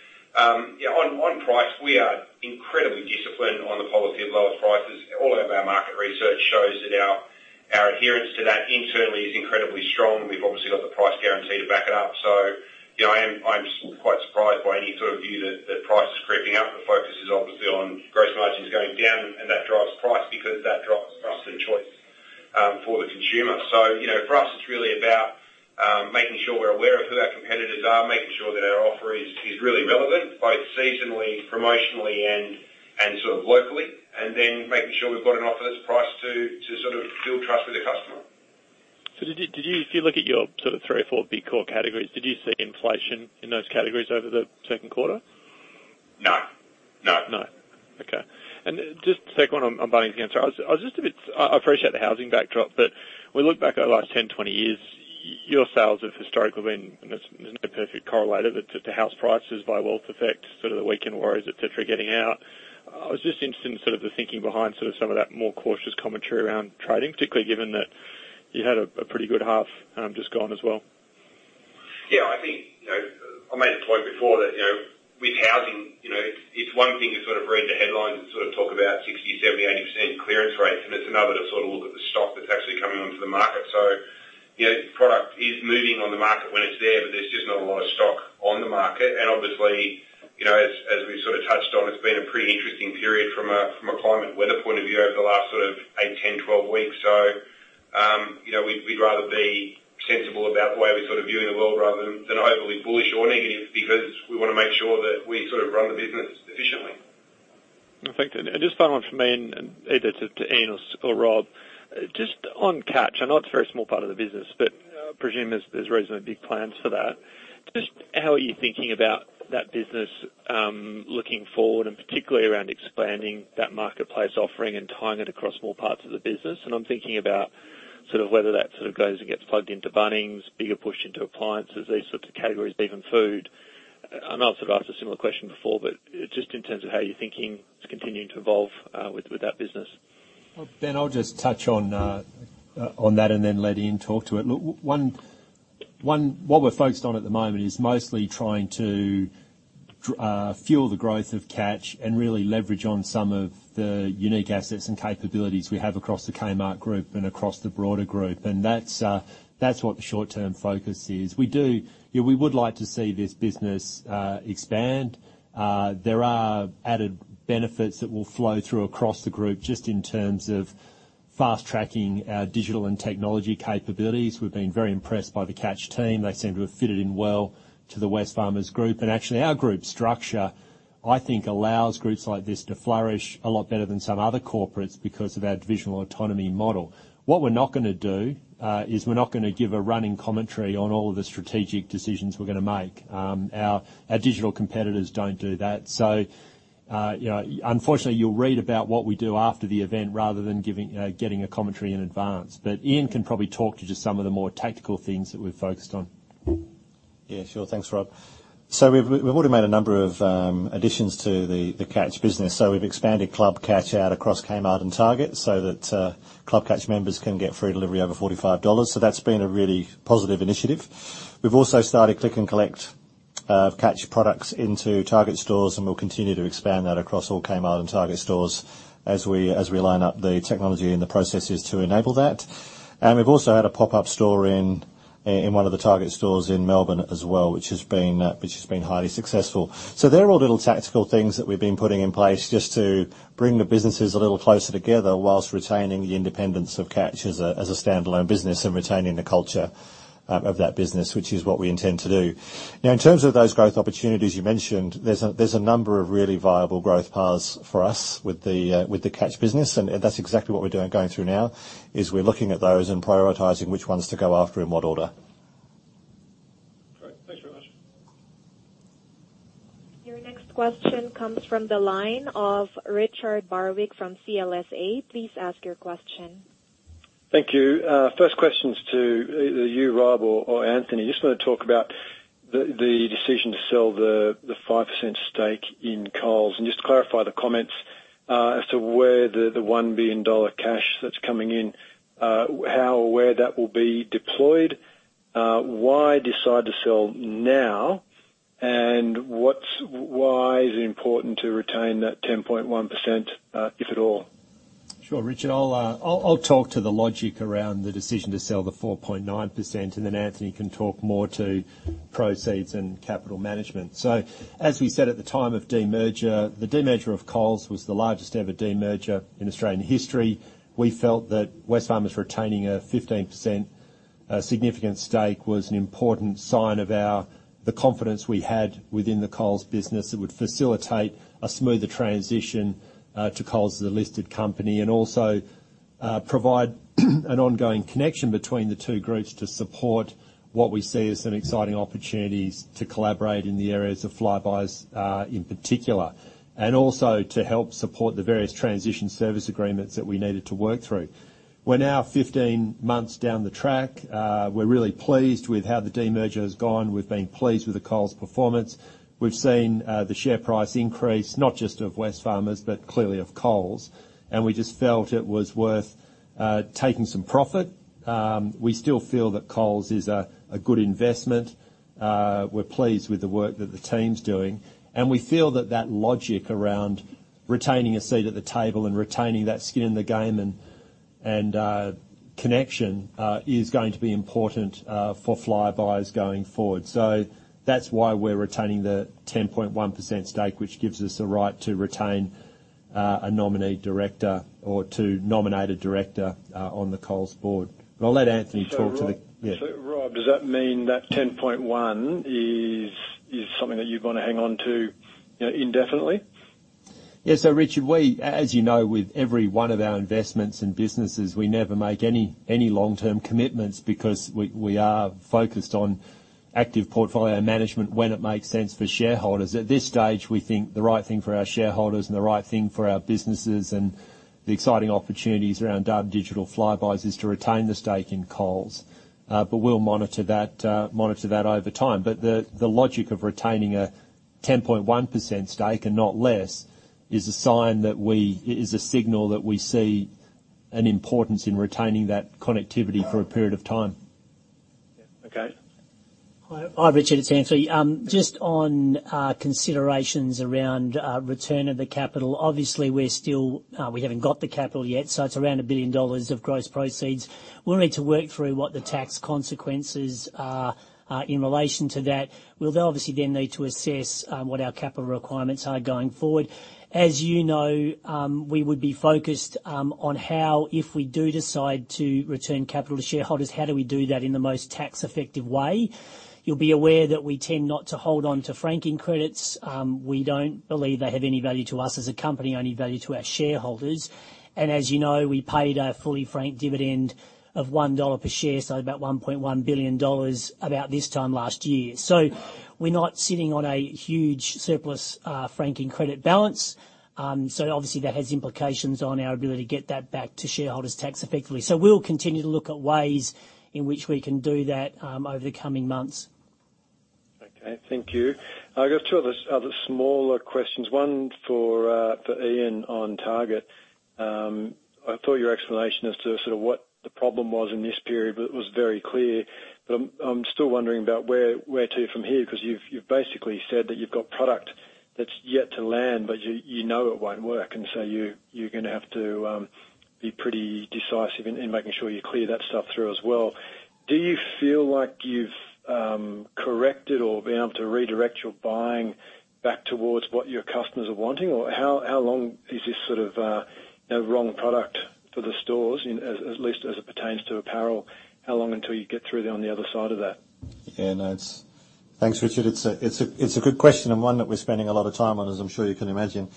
Yeah. On price, we are incredibly disciplined on the policy of lower prices. All of our market research shows that our adherence to that internally is incredibly strong. We've obviously got the Price Guarantee to back it up. I'm quite surprised by any sort of view that price is creeping up. The focus is obviously on gross margins going down, and that drives price because that drives price and choice for the consumer. For us, it's really about making sure we're aware of who our competitors are, making sure that our offer is really relevant, both seasonally, promotionally, and sort of locally, and then making sure we've got an offer that's priced to sort of build trust with the customer. If you look at your sort of three or four big core categories, did you see inflation in those categories over the second quarter? No. No. No. Okay. Just the second one on Bunnings again. I appreciate the housing backdrop, but when we look back over the last 10, 20 years, your sales have historically been—and there is no perfect correlator—but the house prices by wealth effect, sort of the weekend worries, etc., getting out. I was just interested in the thinking behind some of that more cautious commentary around trading, particularly given that you had a pretty good half just gone as well. Yeah. I think I made a point before that with housing, it's one thing to sort of read the headlines and sort of talk about 60%, 70%, 80% clearance rates, and it's another to sort of look at the stock that's actually coming onto the market. Product is moving on the market when it's there, but there's just not a lot of stock on the market. Obviously, as we've sort of touched on, it's been a pretty interesting period from a climate weather point of view over the last 8, 10, 12 weeks. We'd rather be sensible about the way we sort of view the world rather than overly bullish or negative because we want to make sure that we sort of run the business efficiently. I think just following from me and either to Ian or Rob, just on Catch, and not a very small part of the business, but I presume there's reasonably big plans for that, just how are you thinking about that business looking forward and particularly around expanding that marketplace offering and tying it across more parts of the business? I'm thinking about sort of whether that sort of goes and gets plugged into Bunnings, bigger push into appliances, these sorts of categories, even food. I know I've sort of asked a similar question before, but just in terms of how you're thinking it's continuing to evolve with that business. Ben, I'll just touch on that and then let Ian talk to it. Look, what we're focused on at the moment is mostly trying to fuel the growth of Catch and really leverage on some of the unique assets and capabilities we have across the Kmart Group and across the broader group. That's what the short-term focus is. We would like to see this business expand. There are added benefits that will flow through across the group just in terms of fast-tracking our digital and technology capabilities. We've been very impressed by the Catch team. They seem to have fitted in well to the Wesfarmers Group. Actually, our group structure, I think, allows groups like this to flourish a lot better than some other corporates because of our divisional autonomy model. What we're not going to do is we're not going to give a running commentary on all of the strategic decisions we're going to make. Our digital competitors don't do that. Unfortunately, you'll read about what we do after the event rather than getting a commentary in advance. Ian can probably talk to just some of the more tactical things that we've focused on. Yeah. Sure. Thanks, Rob. We have already made a number of additions to the Catch business. We have expanded Club Catch out across Kmart and Target so that Club Catch members can get free delivery over 45 dollars. That has been a really positive initiative. We have also started Click & Collect of Catch products into Target stores, and we will continue to expand that across all Kmart and Target stores as we line up the technology and the processes to enable that. We have also had a pop-up store in one of the Target stores in Melbourne as well, which has been highly successful. There are all little tactical things that we have been putting in place just to bring the businesses a little closer together whilst retaining the independence of Catch as a standalone business and retaining the culture of that business, which is what we intend to do. Now, in terms of those growth opportunities you mentioned, there is a number of really viable growth paths for us with the Catch business. That is exactly what we are going through now, as we are looking at those and prioritizing which ones to go after in what order. Great. Thanks very much. Your next question comes from the line of Richard Barwick from CLSA. Please ask your question. Thank you. First question's to you, Rob or Anthony. Just want to talk about the decision to sell the 5% stake in Coles. And just to clarify the comments as to where the 1 billion dollar cash that's coming in, how or where that will be deployed, why decide to sell now, and why is it important to retain that 10.1%, if at all? Sure. Richard, I'll talk to the logic around the decision to sell the 4.9%, and then Anthony can talk more to proceeds and capital management. As we said at the time of demerger, the demerger of Coles was the largest ever demerger in Australian history. We felt that Wesfarmers retaining a 15% significant stake was an important sign of the confidence we had within the Coles business that would facilitate a smoother transition to Coles as a listed company and also provide an ongoing connection between the two groups to support what we see as some exciting opportunities to collaborate in the areas of Flybuys in particular, and also to help support the various transition service agreements that we needed to work through. We're now 15 months down the track. We're really pleased with how the demerger has gone. We've been pleased with the Coles performance. We've seen the share price increase, not just of Wesfarmers, but clearly of Coles. We just felt it was worth taking some profit. We still feel that Coles is a good investment. We're pleased with the work that the team's doing. We feel that that logic around retaining a seat at the table and retaining that skin in the game and connection is going to be important for Flybuys going forward. That is why we're retaining the 10.1% stake, which gives us a right to retain a nominee director or to nominate a director on the Coles Board. I'll let Anthony talk to the. Rob, does that mean that 10.1 is something that you're going to hang on to indefinitely? Yeah. So Richard, as you know, with every one of our investments and businesses, we never make any long-term commitments because we are focused on active portfolio management when it makes sense for shareholders. At this stage, we think the right thing for our shareholders and the right thing for our businesses and the exciting opportunities around data, digital, Flybuys is to retain the stake in Coles. We will monitor that over time. The logic of retaining a 10.1% stake and not less is a signal that we see an importance in retaining that connectivity for a period of time. Okay. Hi, Richard. It's Anthony. Just on considerations around return of the capital, obviously, we haven't got the capital yet. It is around 1 billion dollars of gross proceeds. We will need to work through what the tax consequences are in relation to that. We will obviously then need to assess what our capital requirements are going forward. As you know, we would be focused on how, if we do decide to return capital to shareholders, how do we do that in the most tax-effective way. You will be aware that we tend not to hold on to franking credits. We do not believe they have any value to us as a company, only value to our shareholders. As you know, we paid a fully franked dividend of 1 dollar per share, so about 1.1 billion dollars about this time last year. We are not sitting on a huge surplus franking credit balance. That has implications on our ability to get that back to shareholders tax-effectively. We will continue to look at ways in which we can do that over the coming months. Okay. Thank you. I've got two other smaller questions. One for Ian on Target. I thought your explanation as to sort of what the problem was in this period was very clear. I'm still wondering about where to from here because you've basically said that you've got product that's yet to land, but you know it won't work. You are going to have to be pretty decisive in making sure you clear that stuff through as well. Do you feel like you've corrected or been able to redirect your buying back towards what your customers are wanting? How long is this sort of wrong product for the stores, at least as it pertains to apparel? How long until you get through on the other side of that? Yeah. Thanks, Richard. It's a good question and one that we're spending a lot of time on, as I'm sure you can imagine.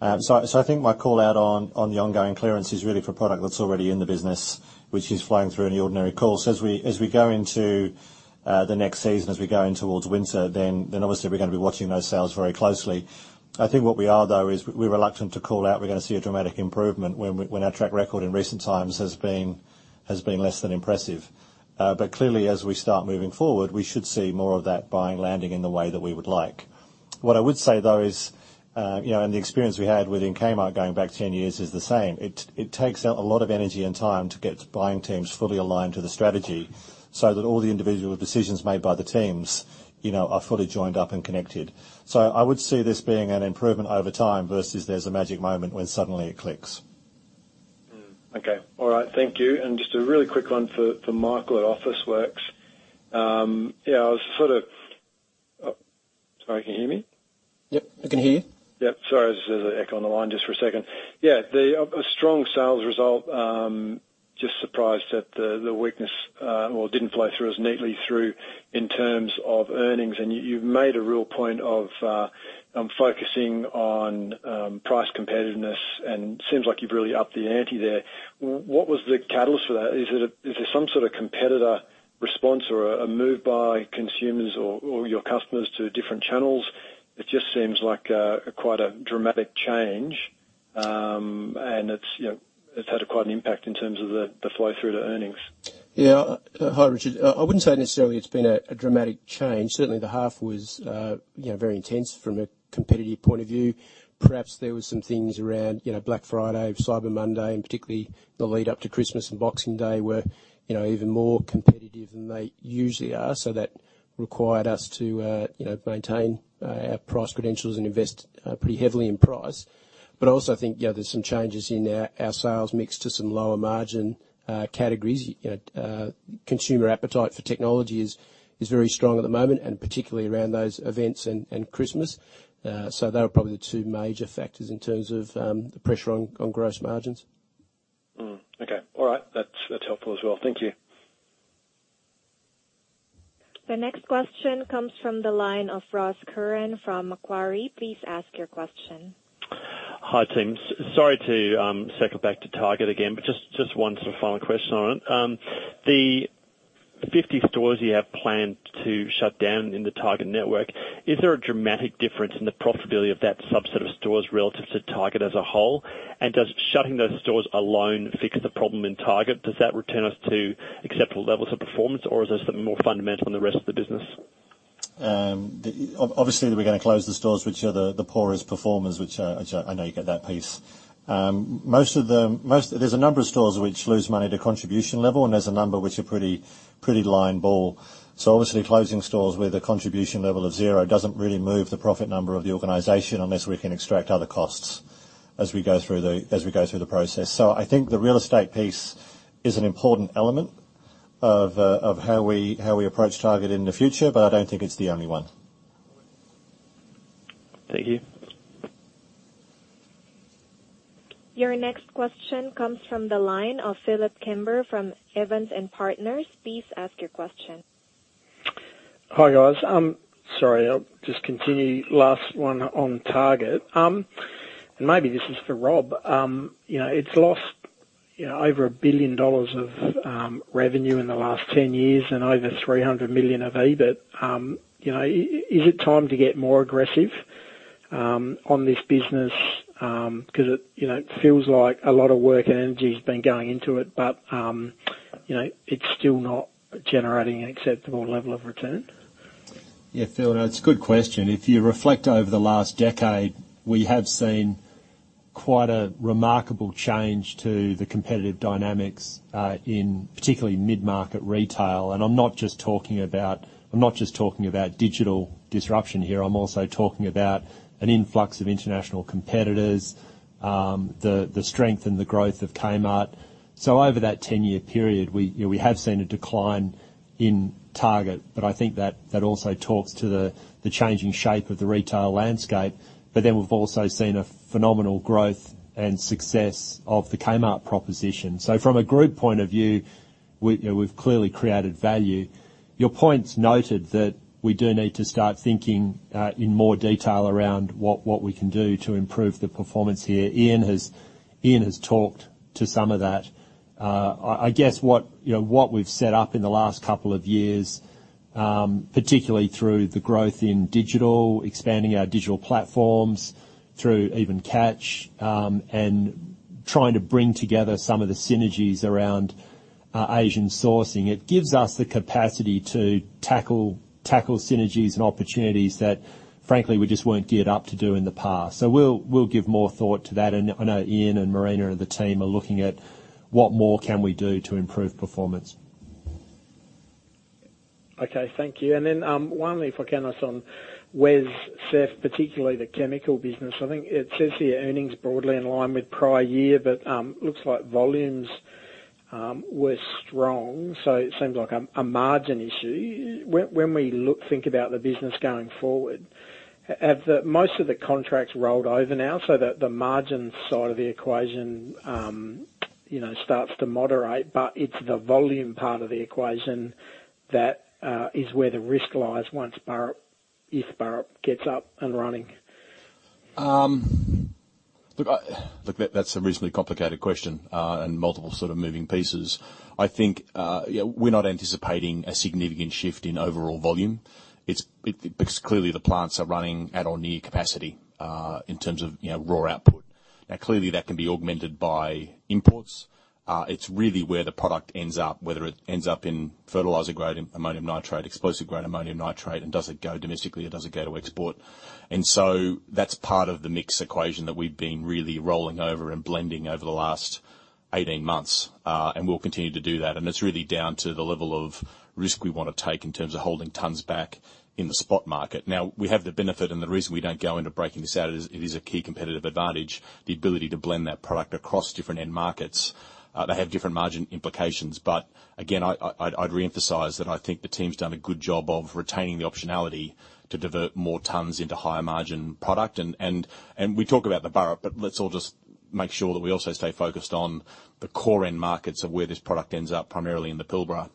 I think my call out on the ongoing clearance is really for product that's already in the business, which is flying through any ordinary calls. As we go into the next season, as we go in towards winter, obviously, we're going to be watching those sales very closely. I think what we are, though, is we're reluctant to call out we're going to see a dramatic improvement when our track record in recent times has been less than impressive. Clearly, as we start moving forward, we should see more of that buying landing in the way that we would like. What I would say, though, is and the experience we had within Kmart going back 10 years is the same. It takes a lot of energy and time to get buying teams fully aligned to the strategy so that all the individual decisions made by the teams are fully joined up and connected. I would see this being an improvement over time versus there's a magic moment when suddenly it clicks. Okay. All right. Thank you. Just a really quick one for Michael at Officeworks. Yeah. I was sort of sorry. Can you hear me? Yep. I can hear you. Yep. Sorry. There's an echo on the line just for a second. Yeah. A strong sales result. Just surprised that the weakness, well, didn't flow through as neatly through in terms of earnings. And you've made a real point of focusing on price competitiveness, and it seems like you've really upped the ante there. What was the catalyst for that? Is there some sort of competitor response or a move by consumers or your customers to different channels? It just seems like quite a dramatic change, and it's had quite an impact in terms of the flow through to earnings. Yeah. Hi, Richard. I wouldn't say necessarily it's been a dramatic change. Certainly, the half was very intense from a competitive point of view. Perhaps there were some things around Black Friday, Cyber Monday, and particularly the lead-up to Christmas and Boxing Day were even more competitive than they usually are. That required us to maintain our price credentials and invest pretty heavily in price. I also think there's some changes in our sales mix to some lower margin categories. Consumer appetite for technology is very strong at the moment, particularly around those events and Christmas. They were probably the two major factors in terms of the pressure on gross margins. Okay. All right. That's helpful as well. Thank you. The next question comes from the line of Ross Curran from Macquarie. Please ask your question. Hi, sorry to circle back to Target again, but just one sort of final question on it. The 50 stores you have planned to shut down in the Target network, is there a dramatic difference in the profitability of that subset of stores relative to Target as a whole? Does shutting those stores alone fix the problem in Target? Does that return us to acceptable levels of performance, or is there something more fundamental in the rest of the business? Obviously, we're going to close the stores which are the poorest performers, which I know you get that piece. There's a number of stores which lose money to contribution level, and there's a number which are pretty line ball. Obviously, closing stores with a contribution level of zero doesn't really move the profit number of the organization unless we can extract other costs as we go through the process. I think the real estate piece is an important element of how we approach Target in the future, but I don't think it's the only one. Thank you. Your next question comes from the line of Phillip Kimber from Evans & Partners. Please ask your question. Hi, guys. Sorry. I'll just continue last one on Target. And maybe this is for Rob. It's lost over 1 billion dollars of revenue in the last 10 years and over 300 million of EBIT. Is it time to get more aggressive on this business? Because it feels like a lot of work and energy has been going into it, but it's still not generating an acceptable level of return. Yeah. Phil, that's a good question. If you reflect over the last decade, we have seen quite a remarkable change to the competitive dynamics in particularly mid-market retail. I'm not just talking about digital disruption here. I'm also talking about an influx of international competitors, the strength and the growth of Kmart. Over that 10-year period, we have seen a decline in Target, but I think that also talks to the changing shape of the retail landscape. We've also seen a phenomenal growth and success of the Kmart proposition. From a group point of view, we've clearly created value. Your point's noted that we do need to start thinking in more detail around what we can do to improve the performance here. Ian has talked to some of that. I guess what we've set up in the last couple of years, particularly through the growth in digital, expanding our digital platforms through even Catch and trying to bring together some of the synergies around Asian sourcing, it gives us the capacity to tackle synergies and opportunities that, frankly, we just weren't geared up to do in the past. We will give more thought to that. I know Ian and Marina and the team are looking at what more can we do to improve performance. Okay. Thank you. One, if I can ask on WesCEF, particularly the chemical business. I think it says here earnings broadly in line with prior year, but it looks like volumes were strong. It seems like a margin issue. When we think about the business going forward, have most of the contracts rolled over now so that the margin side of the equation starts to moderate? It is the volume part of the equation that is where the risk lies once Burrup, if Burrup gets up and running. Look, that's a reasonably complicated question and multiple sort of moving pieces. I think we're not anticipating a significant shift in overall volume because clearly the plants are running at or near capacity in terms of raw output. Now, clearly, that can be augmented by imports. It's really where the product ends up, whether it ends up in fertilizer grade, ammonium nitrate, explosive grade, ammonium nitrate, and does it go domestically or does it go to export? That's part of the mix equation that we've been really rolling over and blending over the last 18 months. We'll continue to do that. It's really down to the level of risk we want to take in terms of holding tons back in the spot market. Now, we have the benefit, and the reason we do not go into breaking this out is it is a key competitive advantage, the ability to blend that product across different end markets. They have different margin implications. I would re-emphasize that I think the team's done a good job of retaining the optionality to divert more tons into higher margin product. We talk about the Burrup, but let's all just make sure that we also stay focused on the core end markets of where this product ends up, primarily in the Pilbara.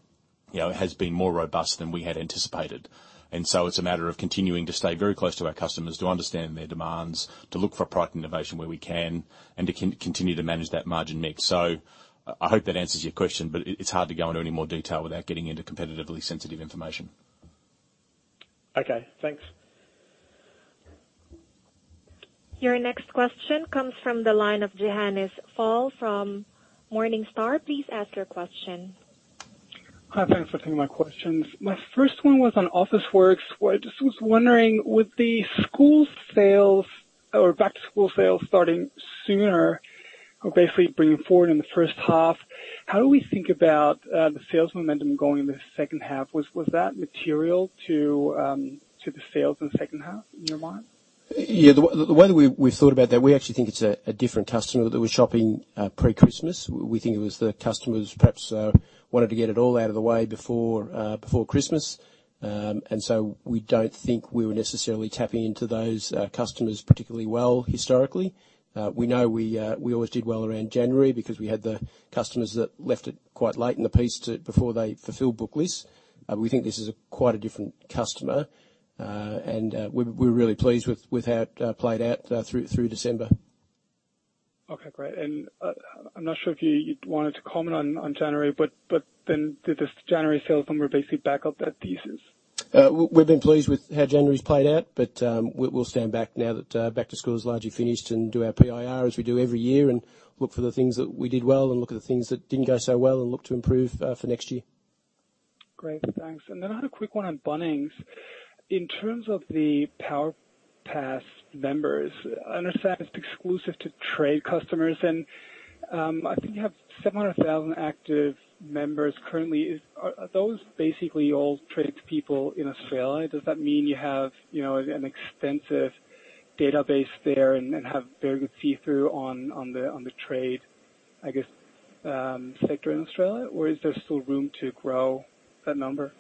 It has been more robust than we had anticipated. It is a matter of continuing to stay very close to our customers, to understand their demands, to look for product innovation where we can, and to continue to manage that margin mix. I hope that answers your question, but it's hard to go into any more detail without getting into competitively sensitive information. Okay. Thanks. Your next question comes from the line of Johannes Faul from Morningstar. Please ask your question. Hi. Thanks for taking my questions. My first one was on Officeworks. I just was wondering, with the school sales or back-to-school sales starting sooner, or basically bringing forward in the first half, how do we think about the sales momentum going into the second half? Was that material to the sales in the second half in your mind? Yeah. The way that we thought about that, we actually think it's a different customer that were shopping pre-Christmas. We think it was the customers perhaps wanted to get it all out of the way before Christmas. We do not think we were necessarily tapping into those customers particularly well historically. We know we always did well around January because we had the customers that left it quite late in the piece before they fulfilled booklets. We think this is quite a different customer. We are really pleased with how it played out through December. Okay. Great. I'm not sure if you wanted to comment on January, but then did this January sales number basically back up that thesis? We've been pleased with how January's played out, but we'll stand back now that back-to-school is largely finished and do our PIR as we do every year and look for the things that we did well and look at the things that didn't go so well and look to improve for next year. Great. Thanks. I had a quick one on Bunnings. In terms of the PowerPass members, I understand it's exclusive to trade customers. I think you have 700,000 active members currently. Are those basically all tradespeople in Australia? Does that mean you have an extensive database there and have very good see-through on the trade, I guess, sector in Australia? Is there still room to grow that number?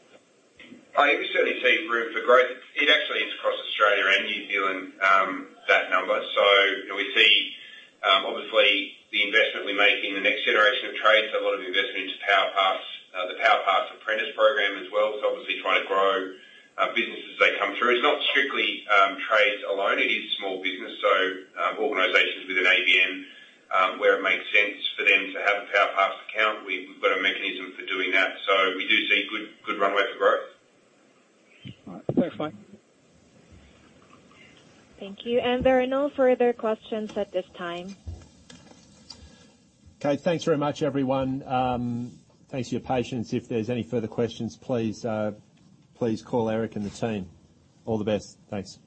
Hi. We certainly see room for growth. It actually is across Australia and New Zealand, that number. We see, obviously, the investment we make in the next generation of trades, a lot of investment into PowerPass, the PowerPass apprentice program as well. Obviously, trying to grow businesses as they come through. It's not strictly trades alone. It is small business, so organizations with an ABN, where it makes sense for them to have a PowerPass account, we've got a mechanism for doing that. We do see good runway for growth. All right. Thanks, Mike. Thank you. There are no further questions at this time. Okay. Thanks very much, everyone. Thanks for your patience. If there's any further questions, please call Erik and the team. All the best. Thanks.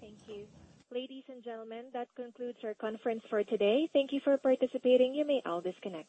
Thank you. Ladies and gentlemen, that concludes our conference for today. Thank you for participating. You may all disconnect.